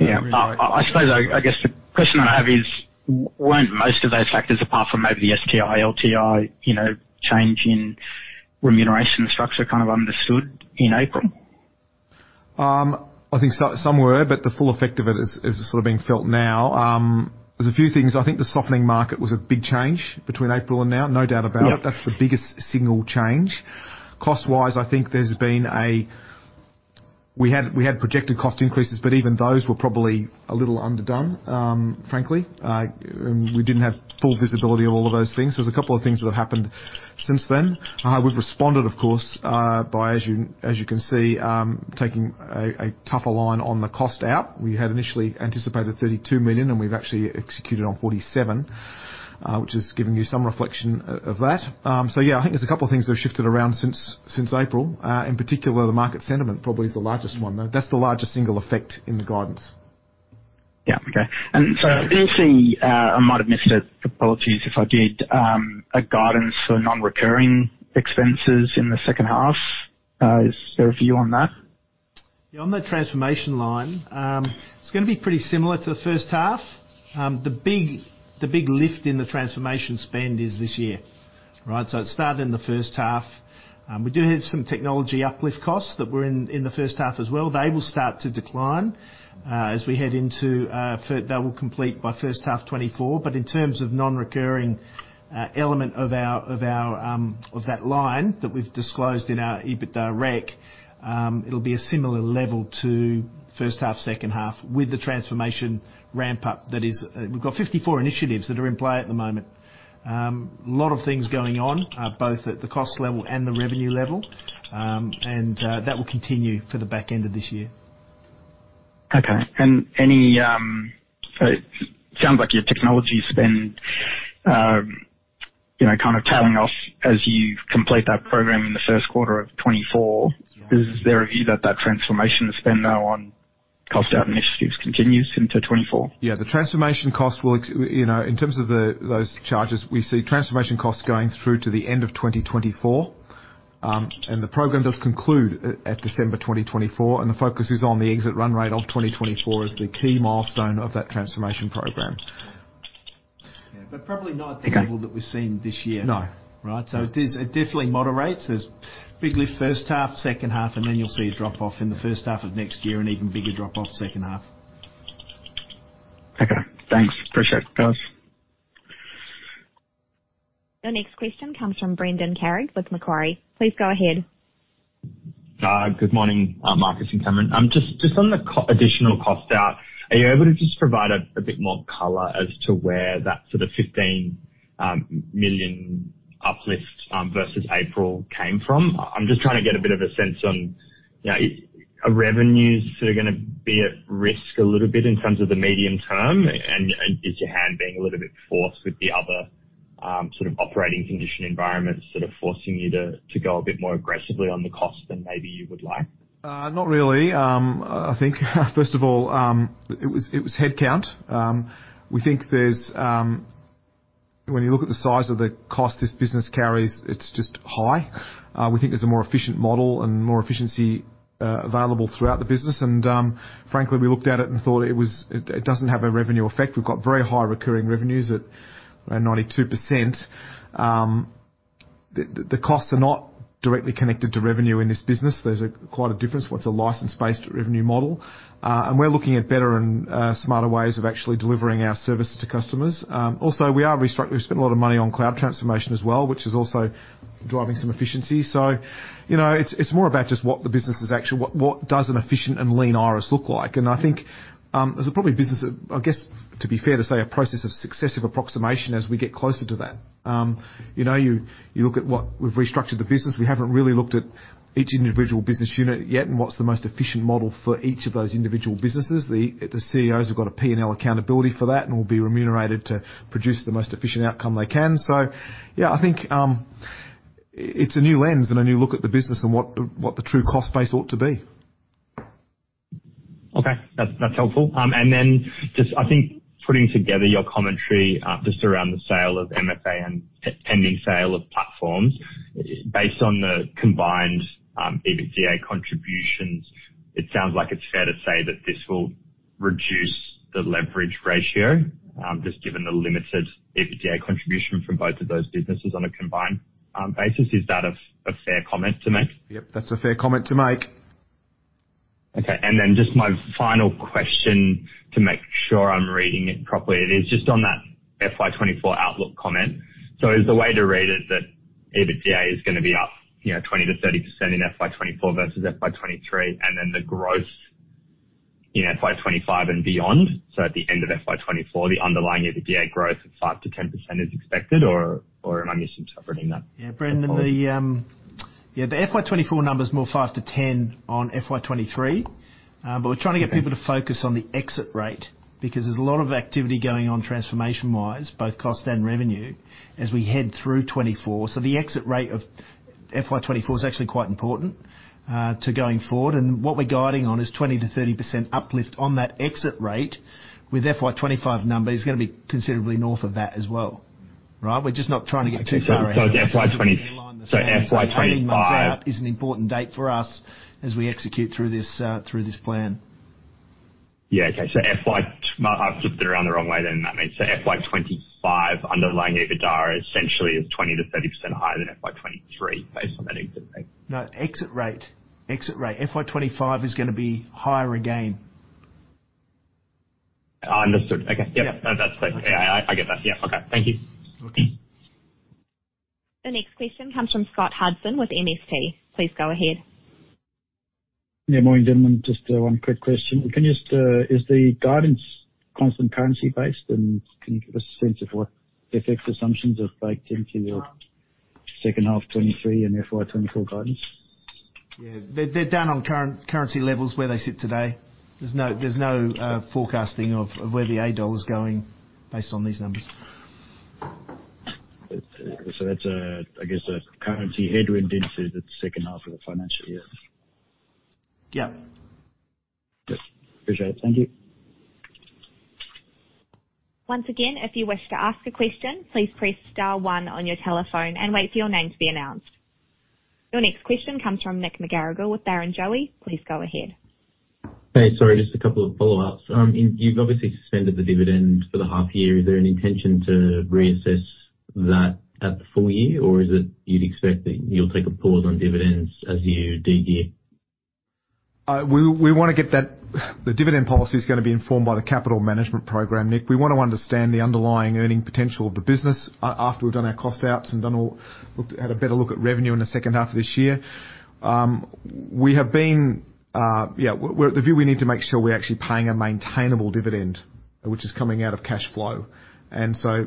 Yeah. I, I suppose, I, I guess the question I have is: Weren't most of those factors, apart from over the STI, LTI, you know, change in remuneration structure, kind of understood in April? I think some were, but the full effect of it is, is sort of being felt now. There's a few things. I think the softening market was a big change between April and now, no doubt about it. That's the biggest single change. Cost-wise, I think there's been. We had, we had projected cost increases, even those were probably a little underdone, frankly. We didn't have full visibility of all of those things. There's a couple of things that have happened since then. We've responded, of course, by, as you, as you can see, taking a, a tougher line on the cost-out. We had initially anticipated 32 million, and we've actually executed on 47 million, which is giving you some reflection of that. Yeah, I think there's a couple of things that have shifted around since, since April. In particular, the market sentiment probably is the largest one, though. That's the largest single effect in the guidance. Yeah. Okay. So did you see, I might have missed it, apologies if I did, a guidance for non-recurring expenses in the second half? Is there a view on that? Yeah, on the transformation line, it's gonna be pretty similar to the first half. The big, the big lift in the transformation spend is this year, right? It started in the first half. We do have some technology uplift costs that were in, in the first half as well. They will start to decline as we head into. They will complete by first half 2024. In terms of non-recurring element of our, of our, of that line that we've disclosed in our EBITDA rec, it'll be a similar level to first half, second half, with the transformation ramp-up, that is. We've got 54 initiatives that are in play at the moment. A lot of things going on, both at the cost level and the revenue level. That will continue for the back end of this year. Okay, any, it sounds like your technology spend, you know, kind of tailing off as you complete that program in the first quarter of 2024. Is there a view that that transformation spend now on cost-out initiatives continues into 2024? Yeah, the transformation cost will You know, in terms of the, those charges, we see transformation costs going through to the end of 2024. And the program does conclude at December 2024, and the focus is on the exit run rate of 2024 as the key milestone of that transformation program. Yeah, probably not the level that we've seen this year. Right? It is, it definitely moderates. There's big lift first half, second half, and then you'll see a drop off in the first half of next year and even bigger drop off second half. Okay, thanks. Appreciate it, guys. The next question comes from Brendan Carrig with Macquarie. Please go ahead. Good morning, Marcus and Cameron. Just on the additional cost-out, are you able to just provide a bit more color as to where that sort of 15 million uplift versus April came from? I'm just trying to get a bit of a sense on, you know, are revenues sort of gonna be at risk a little bit in terms of the medium term? And is your hand being a little bit forced with the other sort of operating condition environments, sort of forcing you to go a bit more aggressively on the cost than maybe you would like? Not really. I think, first of all, it was, it was headcount. We think there's... When you look at the size of the cost this business carries, it's just high. We think there's a more efficient model and more efficiency available throughout the business. Frankly, we looked at it and thought it was, it, it doesn't have a revenue effect. We've got very high recurring revenues at 92%. The, the costs are not directly connected to revenue in this business. There's a quite a difference once a license-based revenue model. We're looking at better and smarter ways of actually delivering our services to customers. We are restructure-- We've spent a lot of money on cloud transformation as well, which is also driving some efficiency. You know, it's, it's more about just what the business is, what does an efficient and lean Iress look like? I think, there's a probably business, I guess, to be fair, to say, a process of successive approximation as we get closer to that. You know, you look at what we've restructured the business. We haven't really looked at each individual business unit yet and what's the most efficient model for each of those individual businesses. The CEOs have got a P&L accountability for that and will be remunerated to produce the most efficient outcome they can. Yeah, I think, it's a new lens and a new look at the business and what the, what the true cost base ought to be. Okay, that's, that's helpful. Then just I think putting together your commentary, just around the sale of MFA and pending sale of platforms. Based on the combined EBITDA contributions, it sounds like it's fair to say that this will reduce the leverage ratio, just given the limited EBITDA contribution from both of those businesses on a combined basis. Is that a, a fair comment to make? Yep, that's a fair comment to make. Just my final question, to make sure I'm reading it properly, it is just on that FY 2024 outlook comment. Is the way to read it that EBITDA is gonna be up, you know, 20%-30% in FY 2024 versus FY 2023, and then the growth in FY 2025 and beyond? At the end of FY 2024, the underlying EBITDA growth of 5%-10% is expected or am I misinterpreting that? Yeah, Brendan, the, yeah, the FY 2024 number is more 5%-10% on FY 2023. We're trying to get people to focus on the exit rate because there's a lot of activity going on transformation-wise, both cost and revenue, as we head through 2024. The exit rate of FY 2024 is actually quite important to going forward. What we're guiding on is 20%-30% uplift on that exit rate with FY 2025 numbers is gonna be considerably north of that as well. Right? We're just not trying to get too far ahead. Is an important date for us as we execute through this, through this plan. Yeah. Okay. FY, I've flipped it around the wrong way then. That means the FY 2025 underlying EBITDA essentially is 20%-30% higher than FY 2023 based on that exit rate. No, exit rate. Exit rate. FY 2025 is gonna be higher again. Understood. Okay. Yeah. Yep, that's clear. I get that. Yeah. Okay. Thank you. Okay. The next question comes from Scott Hudson with MST. Please go ahead. Yeah, morning, gentlemen. Just one quick question. Can you just, is the guidance constant currency based? Can you give us a sense of what FX assumptions are baked into your second half 2023 and FY 2024 guidance? Yeah, they're, they're down on current currency levels where they sit today. There's no, there's no forecasting of where the Australian dollar is going based on these numbers. That's a, I guess, a currency headwind then to the second half of the financial year? Yeah. Yes. Appreciate it. Thank you. Once again, if you wish to ask a question, please press star one on your telephone and wait for your name to be announced. Your next question comes from Nick McGarrigle with Barrenjoey. Please go ahead. Hey, sorry, just a couple of follow-ups. You've obviously suspended the dividend for the half year. Is there an intention to reassess that at the full year, or is it you'd expect that you'll take a pause on dividends as you de-gear? We, we wanna get that... The dividend policy is gonna be informed by the capital management program, Nick. We want to understand the underlying earning potential of the business, after we've done our cost-outs and done all, looked, had a better look at revenue in the second half of this year. We have been, yeah, we're, the view, we need to make sure we're actually paying a maintainable dividend, which is coming out of cash flow.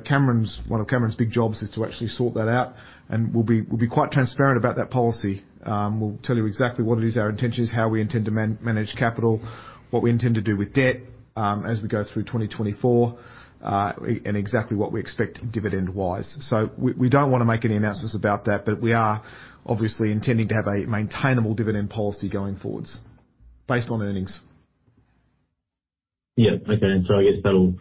Cameron's, one of Cameron's big jobs is to actually sort that out, and we'll be, we'll be quite transparent about that policy. We'll tell you exactly what it is our intention is, how we intend to manage capital, what we intend to do with debt, as we go through 2024, and exactly what we expect dividend-wise. We don't wanna make any announcements about that, but we are obviously intending to have a maintainable dividend policy going forwards based on earnings. Yeah. Okay, I guess that'll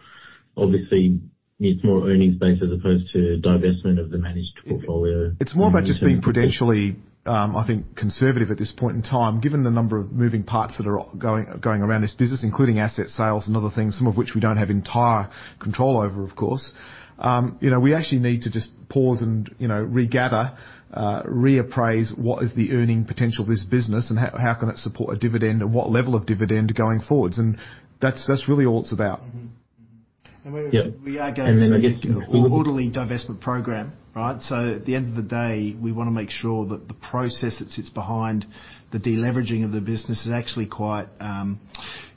obviously need more earnings base as opposed to divestment of the managed portfolio. It's more about just being prudentially, I think, conservative at this point in time, given the number of moving parts that are going, going around this business, including asset sales and other things, some of which we don't have entire control over, of course. You know, we actually need to just pause and, you know, regather, reappraise what is the earning potential of this business and how, how can it support a dividend and what level of dividend going forwards? That's, that's really all it's about. We are going through an orderly divestment program, right? At the end of the day, we wanna make sure that the process that sits behind the deleveraging of the business is actually quite,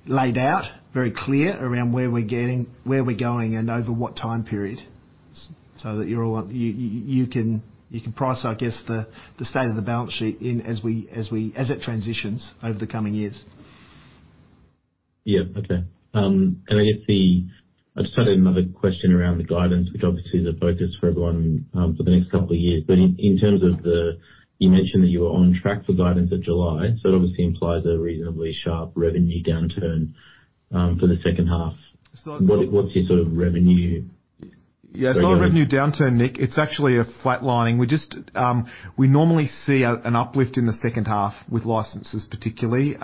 laid out, very clear around where we're going and over what time period, so that you're all, you can price, I guess, the, the state of the balance sheet in, as it transitions over the coming years. Yeah. Okay. I guess the... I just had another question around the guidance, which obviously is a focus for everyone, for the next couple of years. In, in terms of the, you mentioned that you were on track for guidance in July, so it obviously implies a reasonably sharp revenue downturn, for the second half. What, what's your sort of revenue? Yeah, it's not a revenue downturn, Nick. It's actually a flatlining. We just, we normally see a, an uplift in the second half with licenses particularly,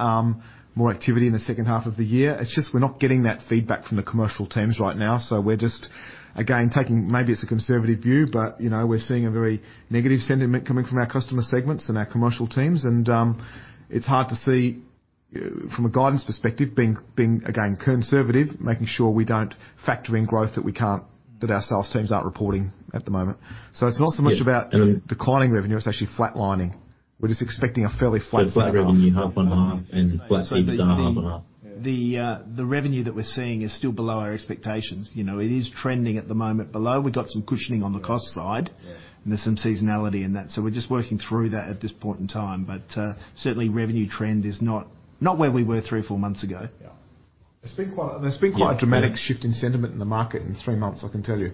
more activity in the second half of the year. It's just we're not getting that feedback from the commercial teams right now, so we're just, again, taking maybe it's a conservative view, but, you know, we're seeing a very negative sentiment coming from our customer segments and our commercial teams, and, it's hard to see, from a guidance perspective, being, being, again, conservative, making sure we don't factor in growth that we can't, that our sales teams aren't reporting at the moment. It's not so much about declining revenue, it's actually flatlining. We're just expecting a fairly flat second half. Flat revenue half-on-half and flat spend half-on-half. The, the revenue that we're seeing is still below our expectations. You know, it is trending at the moment below. We've got some cushioning on the cost side. There's some seasonality in that, so we're just working through that at this point in time. Certainly revenue trend is not, not where we were three or four months ago. Yeah. There's been quite a dramatic shift in sentiment in the market in three months, I can tell you.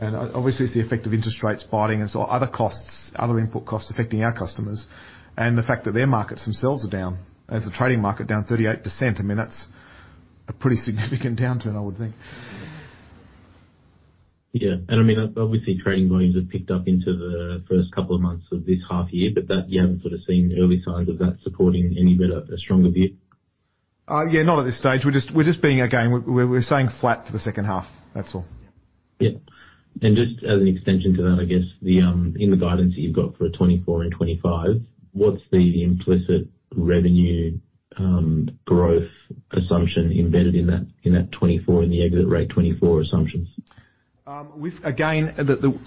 Obviously, it's the effect of interest rates biting and so other costs, other input costs affecting our customers, and the fact that their markets themselves are down. As a trading market, down 38%, I mean, that's a pretty significant downturn, I would think. Yeah. I mean, obviously, trading volumes have picked up into the first couple of months of this half year, but that, you haven't sort of seen early signs of that supporting any better, a stronger view? Yeah, not at this stage. We're just, we're just being, again, we're, we're staying flat for the second half. That's all. Yeah. Just as an extension to that, I guess the, in the guidance that you've got for 2024 and 2025, what's the implicit revenue, growth assumption embedded in that, in that 2024, in the exit rate 2024 assumptions? Again,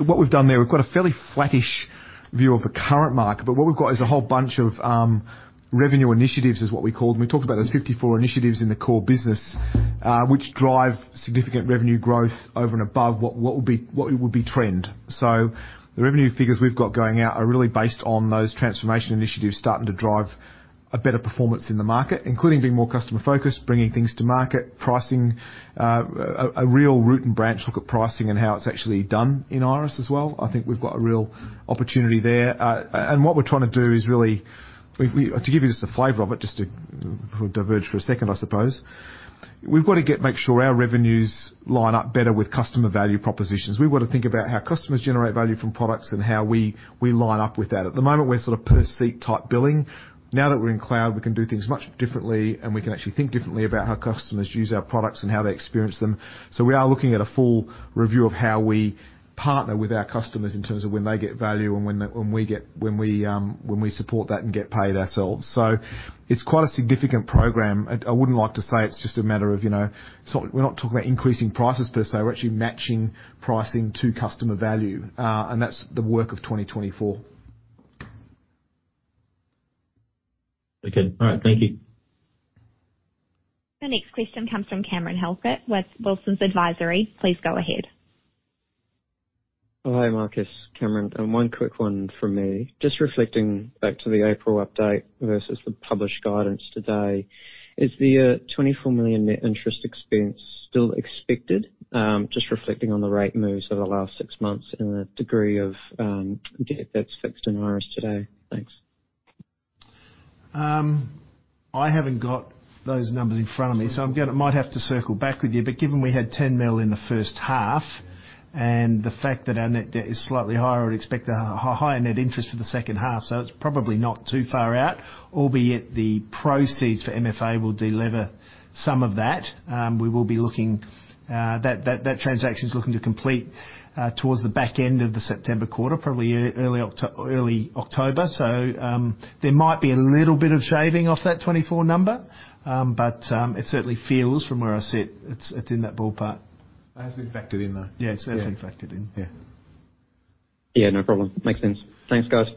what we've done there, we've got a fairly flattish view of the current market, but what we've got is a whole bunch of revenue initiatives, is what we call them. We talked about those 54 initiatives in the core business, which drive significant revenue growth over and above what, what would be, what would be trend. The revenue figures we've got going out are really based on those transformation initiatives starting to drive a better performance in the market, including being more customer-focused, bringing things to market, pricing, a real root and branch look at pricing and how it's actually done in Iress as well. I think we've got a real opportunity there. What we're trying to do is really, to give you just a flavor of it, just to diverge for a second, I suppose. We've got to make sure our revenues line up better with customer value propositions. We've got to think about how customers generate value from products and how we, we line up with that. At the moment, we're sort of per seat type billing. Now that we're in cloud, we can do things much differently, and we can actually think differently about how customers use our products and how they experience them. So we are looking at a full review of how we partner with our customers in terms of when they get value and when they, when we get, when we support that and get paid ourselves. So it's quite a significant program. I, I wouldn't like to say it's just a matter of, you know, so we're not talking about increasing prices per se, we're actually matching pricing to customer value, and that's the work of 2024. Okay. All right, thank you. The next question comes from Cameron Halkett with Wilsons Advisory. Please go ahead. Hi, Marcus. Cameron. One quick one from me. Just reflecting back to the April update versus the published guidance today, is the 24 million net interest expense still expected? Just reflecting on the rate moves over the last six months and the degree of debt that's fixed in Iress today. Thanks. I haven't got those numbers in front of me, so I'm gonna, might have to circle back with you. Given we had 10 million in the first half and the fact that our net debt is slightly higher, I'd expect a higher net interest for the second half, so it's probably not too far out, albeit the proceeds for MFA will delever some of that. We will be looking, that, that, that transaction is looking to complete towards the back end of the September quarter, probably early October. There might be a little bit of shaving off that 24 million number, but it certainly feels from where I sit, it's, it's in that ballpark. That has been factored in, though. Yeah, it's absolutely factored in. Yeah. Yeah, no problem. Makes sense. Thanks, guys.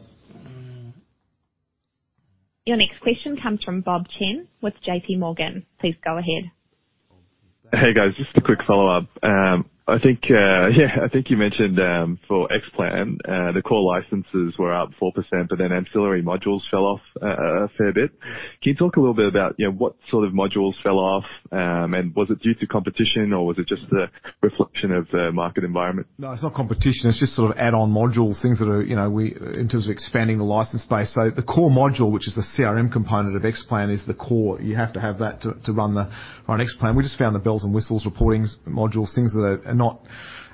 Your next question comes from Bob Chen with JPMorgan. Please go ahead. Hey, guys, just a quick follow-up. I think, yeah, I think you mentioned, for Xplan, the core licenses were up 4%, but then ancillary modules fell off a fair bit. Can you talk a little bit about, you know, what sort of modules fell off, and was it due to competition, or was it just a reflection of the market environment? No, it's not competition. It's just sort of add-on modules, things that are, you know, we, in terms of expanding the license base. The core module, which is the CRM component of Xplan, is the core. You have to have that to, to run the, run Xplan. We just found the bells and whistles, reportings, modules, things that are, are not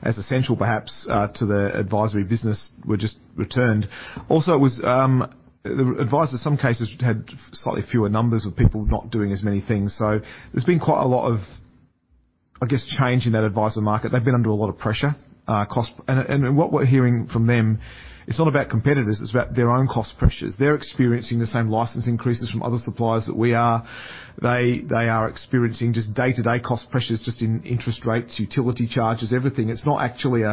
as essential, perhaps, to the advisory business, were just returned. Also, it was, the advisors, in some cases, had slightly fewer numbers of people not doing as many things. There's been quite a lot of, I guess, change in that advisor market. They've been under a lot of pressure, cost- what we're hearing from them, it's not about competitors, it's about their own cost pressures. They're experiencing the same license increases from other suppliers that we are. They are experiencing just day-to-day cost pressures, just in interest rates, utility charges, everything. It's not actually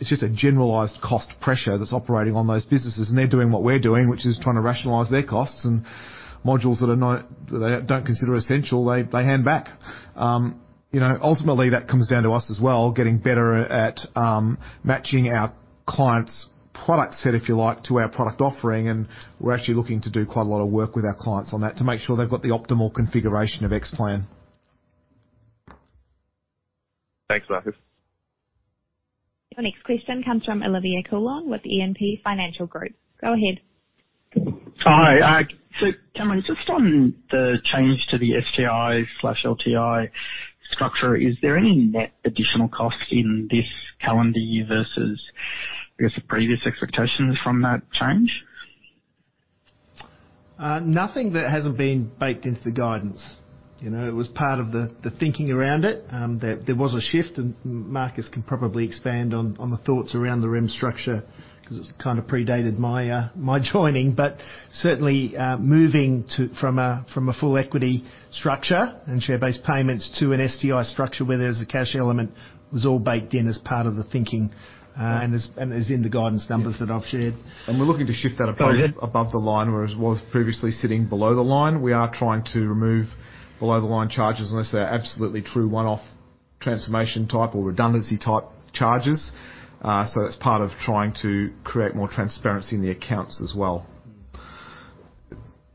just a generalized cost pressure that's operating on those businesses, and they're doing what we're doing, which is trying to rationalize their costs and modules that they don't consider essential, they hand back. You know, ultimately, that comes down to us as well, getting better at matching our clients' product set, if you like, to our product offering, and we're actually looking to do quite a lot of work with our clients on that to make sure they've got the optimal configuration of Xplan. Thanks, Marcus. Your next question comes from Olivier Coulon with E&P Financial Group. Go ahead. Hi. Cameron, just on the change to the STI/LTI structure, is there any net additional cost in this calendar year versus, I guess, the previous expectations from that change? Nothing that hasn't been baked into the guidance. You know, it was part of the thinking around it, that there was a shift, and Marcus can probably expand on the thoughts around the REM structure because it's kind of predated my joining but certainly, from a full equity structure and share-based payments to an STI structure where there's a cash element, was all baked in as part of the thinking, and is in the guidance numbers that I've shared. We're looking to shift that above the line, whereas it was previously sitting below the line. We are trying to remove below-the-line charges unless they're absolutely true, one-off transformation type or redundancy type charges. That's part of trying to create more transparency in the accounts as well.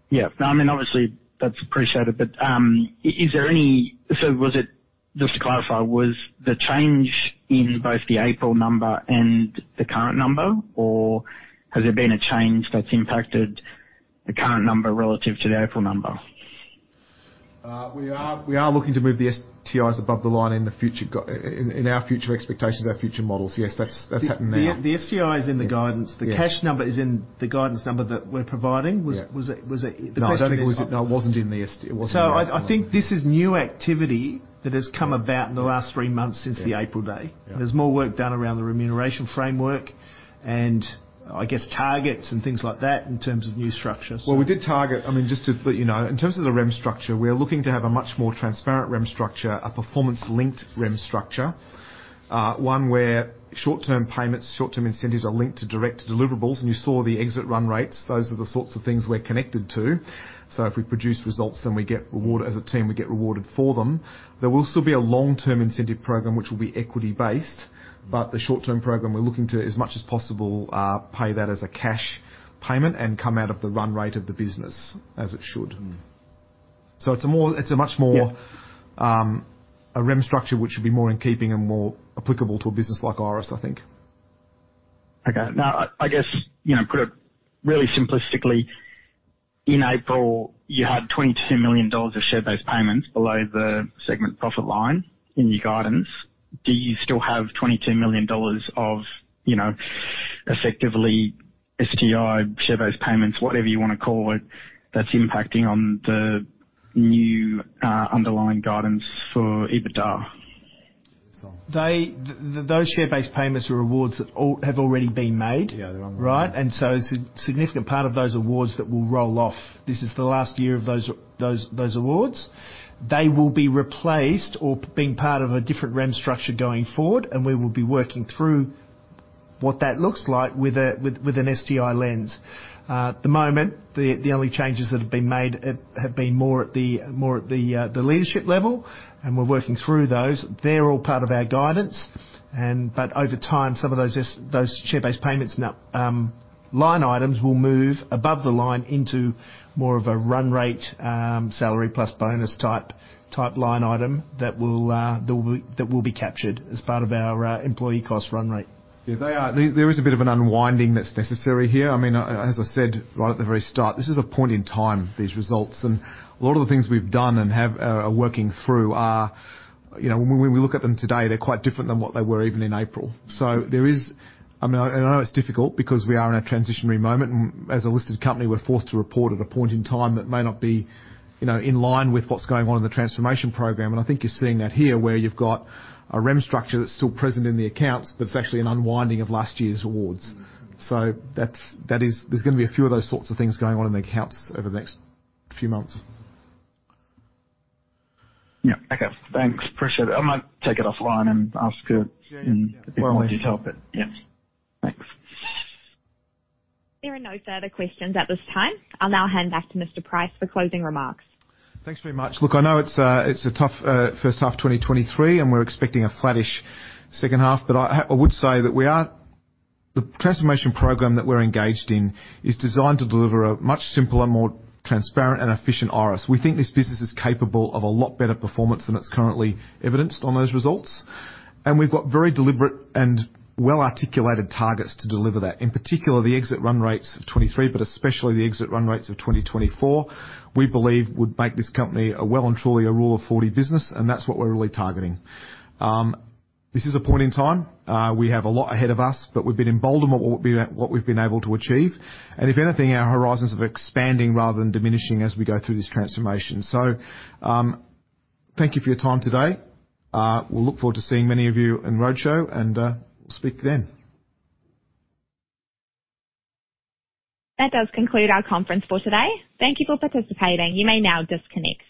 Yeah. I mean, obviously, that's appreciated. Was it, just to clarify, was the change in both the April number and the current number, or has there been a change that's impacted the current number relative to the April number? We are, we are looking to move the STIs above the line in the future, in our future expectations, our future models. Yes, that's, that's happening now. The STI is in the guidance. The cash number is in the guidance number that we're providing. I, I think this is new activity that has come about in the last three months since the April day. There's more work done around the remuneration framework and, I guess, targets and things like that in terms of new structures. Well, we did target. I mean, just to let you know, in terms of the REM structure, we're looking to have a much more transparent REM structure, a performance-linked REM structure, one where short-term payments, short-term incentives are linked to direct deliverables. You saw the exit run rates. Those are the sorts of things we're connected to. If we produce results, then we get rewarded. As a team, we get rewarded for them. There will still be a long-term incentive program, which will be equity-based, but the short-term program, we're looking to, as much as possible, pay that as a cash payment and come out of the run rate of the business, as it should. It's a more, it's a much more a REM structure, which will be more in keeping and more applicable to a business like Iress, I think. Okay. Now, I, I guess, you know, put it really simplistically, in April, you had 22 million dollars of share-based payments below the segment profit line in your guidance. Do you still have 22 million dollars of, you know, effectively STI share-based payments, whatever you wanna call it, that's impacting on the new, underlying guidance for EBITDA? Those share-based payments or awards all have already been made. Right? So a significant part of those awards that will roll off, this is the last year of those, those, those awards. They will be replaced or being part of a different REM structure going forward, and we will be working through what that looks like with a, with, with an STI lens. At the moment, the, the only changes that have been made at, have been more at the, more at the leadership level, and we're working through those. They're all part of our guidance and. Over time, some of those, those share-base payments, line items will move above the line into more of a run rate, salary plus bonus type, type line item that will, that will, that will be captured as part of our employee cost run rate. Yeah, they are. There is a bit of an unwinding that's necessary here. I mean, as I said, right at the very start, this is a point in time, these results, and a lot of the things we've done and have are working through are, you know, when we look at them today, they're quite different than what they were even in April. There is. I mean, I know it's difficult because we are in a transitionary moment, and as a listed company, we're forced to report at a point in time that may not be, you know, in line with what's going on in the transformation program. I think you're seeing that here, where you've got a REM structure that's still present in the accounts, but it's actually an unwinding of last year's awards. That's, There's gonna be a few of those sorts of things going on in the accounts over the next few months. Yeah. Okay, thanks. Appreciate it. I might take it offline and ask help it. Yeah. Thanks. There are no further questions at this time. I'll now hand back to Mr. Price for closing remarks. Thanks very much. Look, I know it's a, it's a tough, first half, 2023, and we're expecting a flattish second half, but I would say that the transformation program that we're engaged in is designed to deliver a much simpler, more transparent, and efficient Iress. We think this business is capable of a lot better performance than it's currently evidenced on those results, and we've got very deliberate and well-articulated targets to deliver that. In particular, the exit run rates of 2023, but especially the exit run rates of 2024, we believe would make this company a well and truly a Rule of Forty business, and that's what we're really targeting. This is a point in time. We have a lot ahead of us, but we've been emboldened by what we've, what we've been able to achieve, and if anything, our horizons are expanding rather than diminishing as we go through this transformation. Thank you for your time today. We'll look forward to seeing many of you in roadshow. We'll speak then. That does conclude our conference for today. Thank you for participating. You may now disconnect.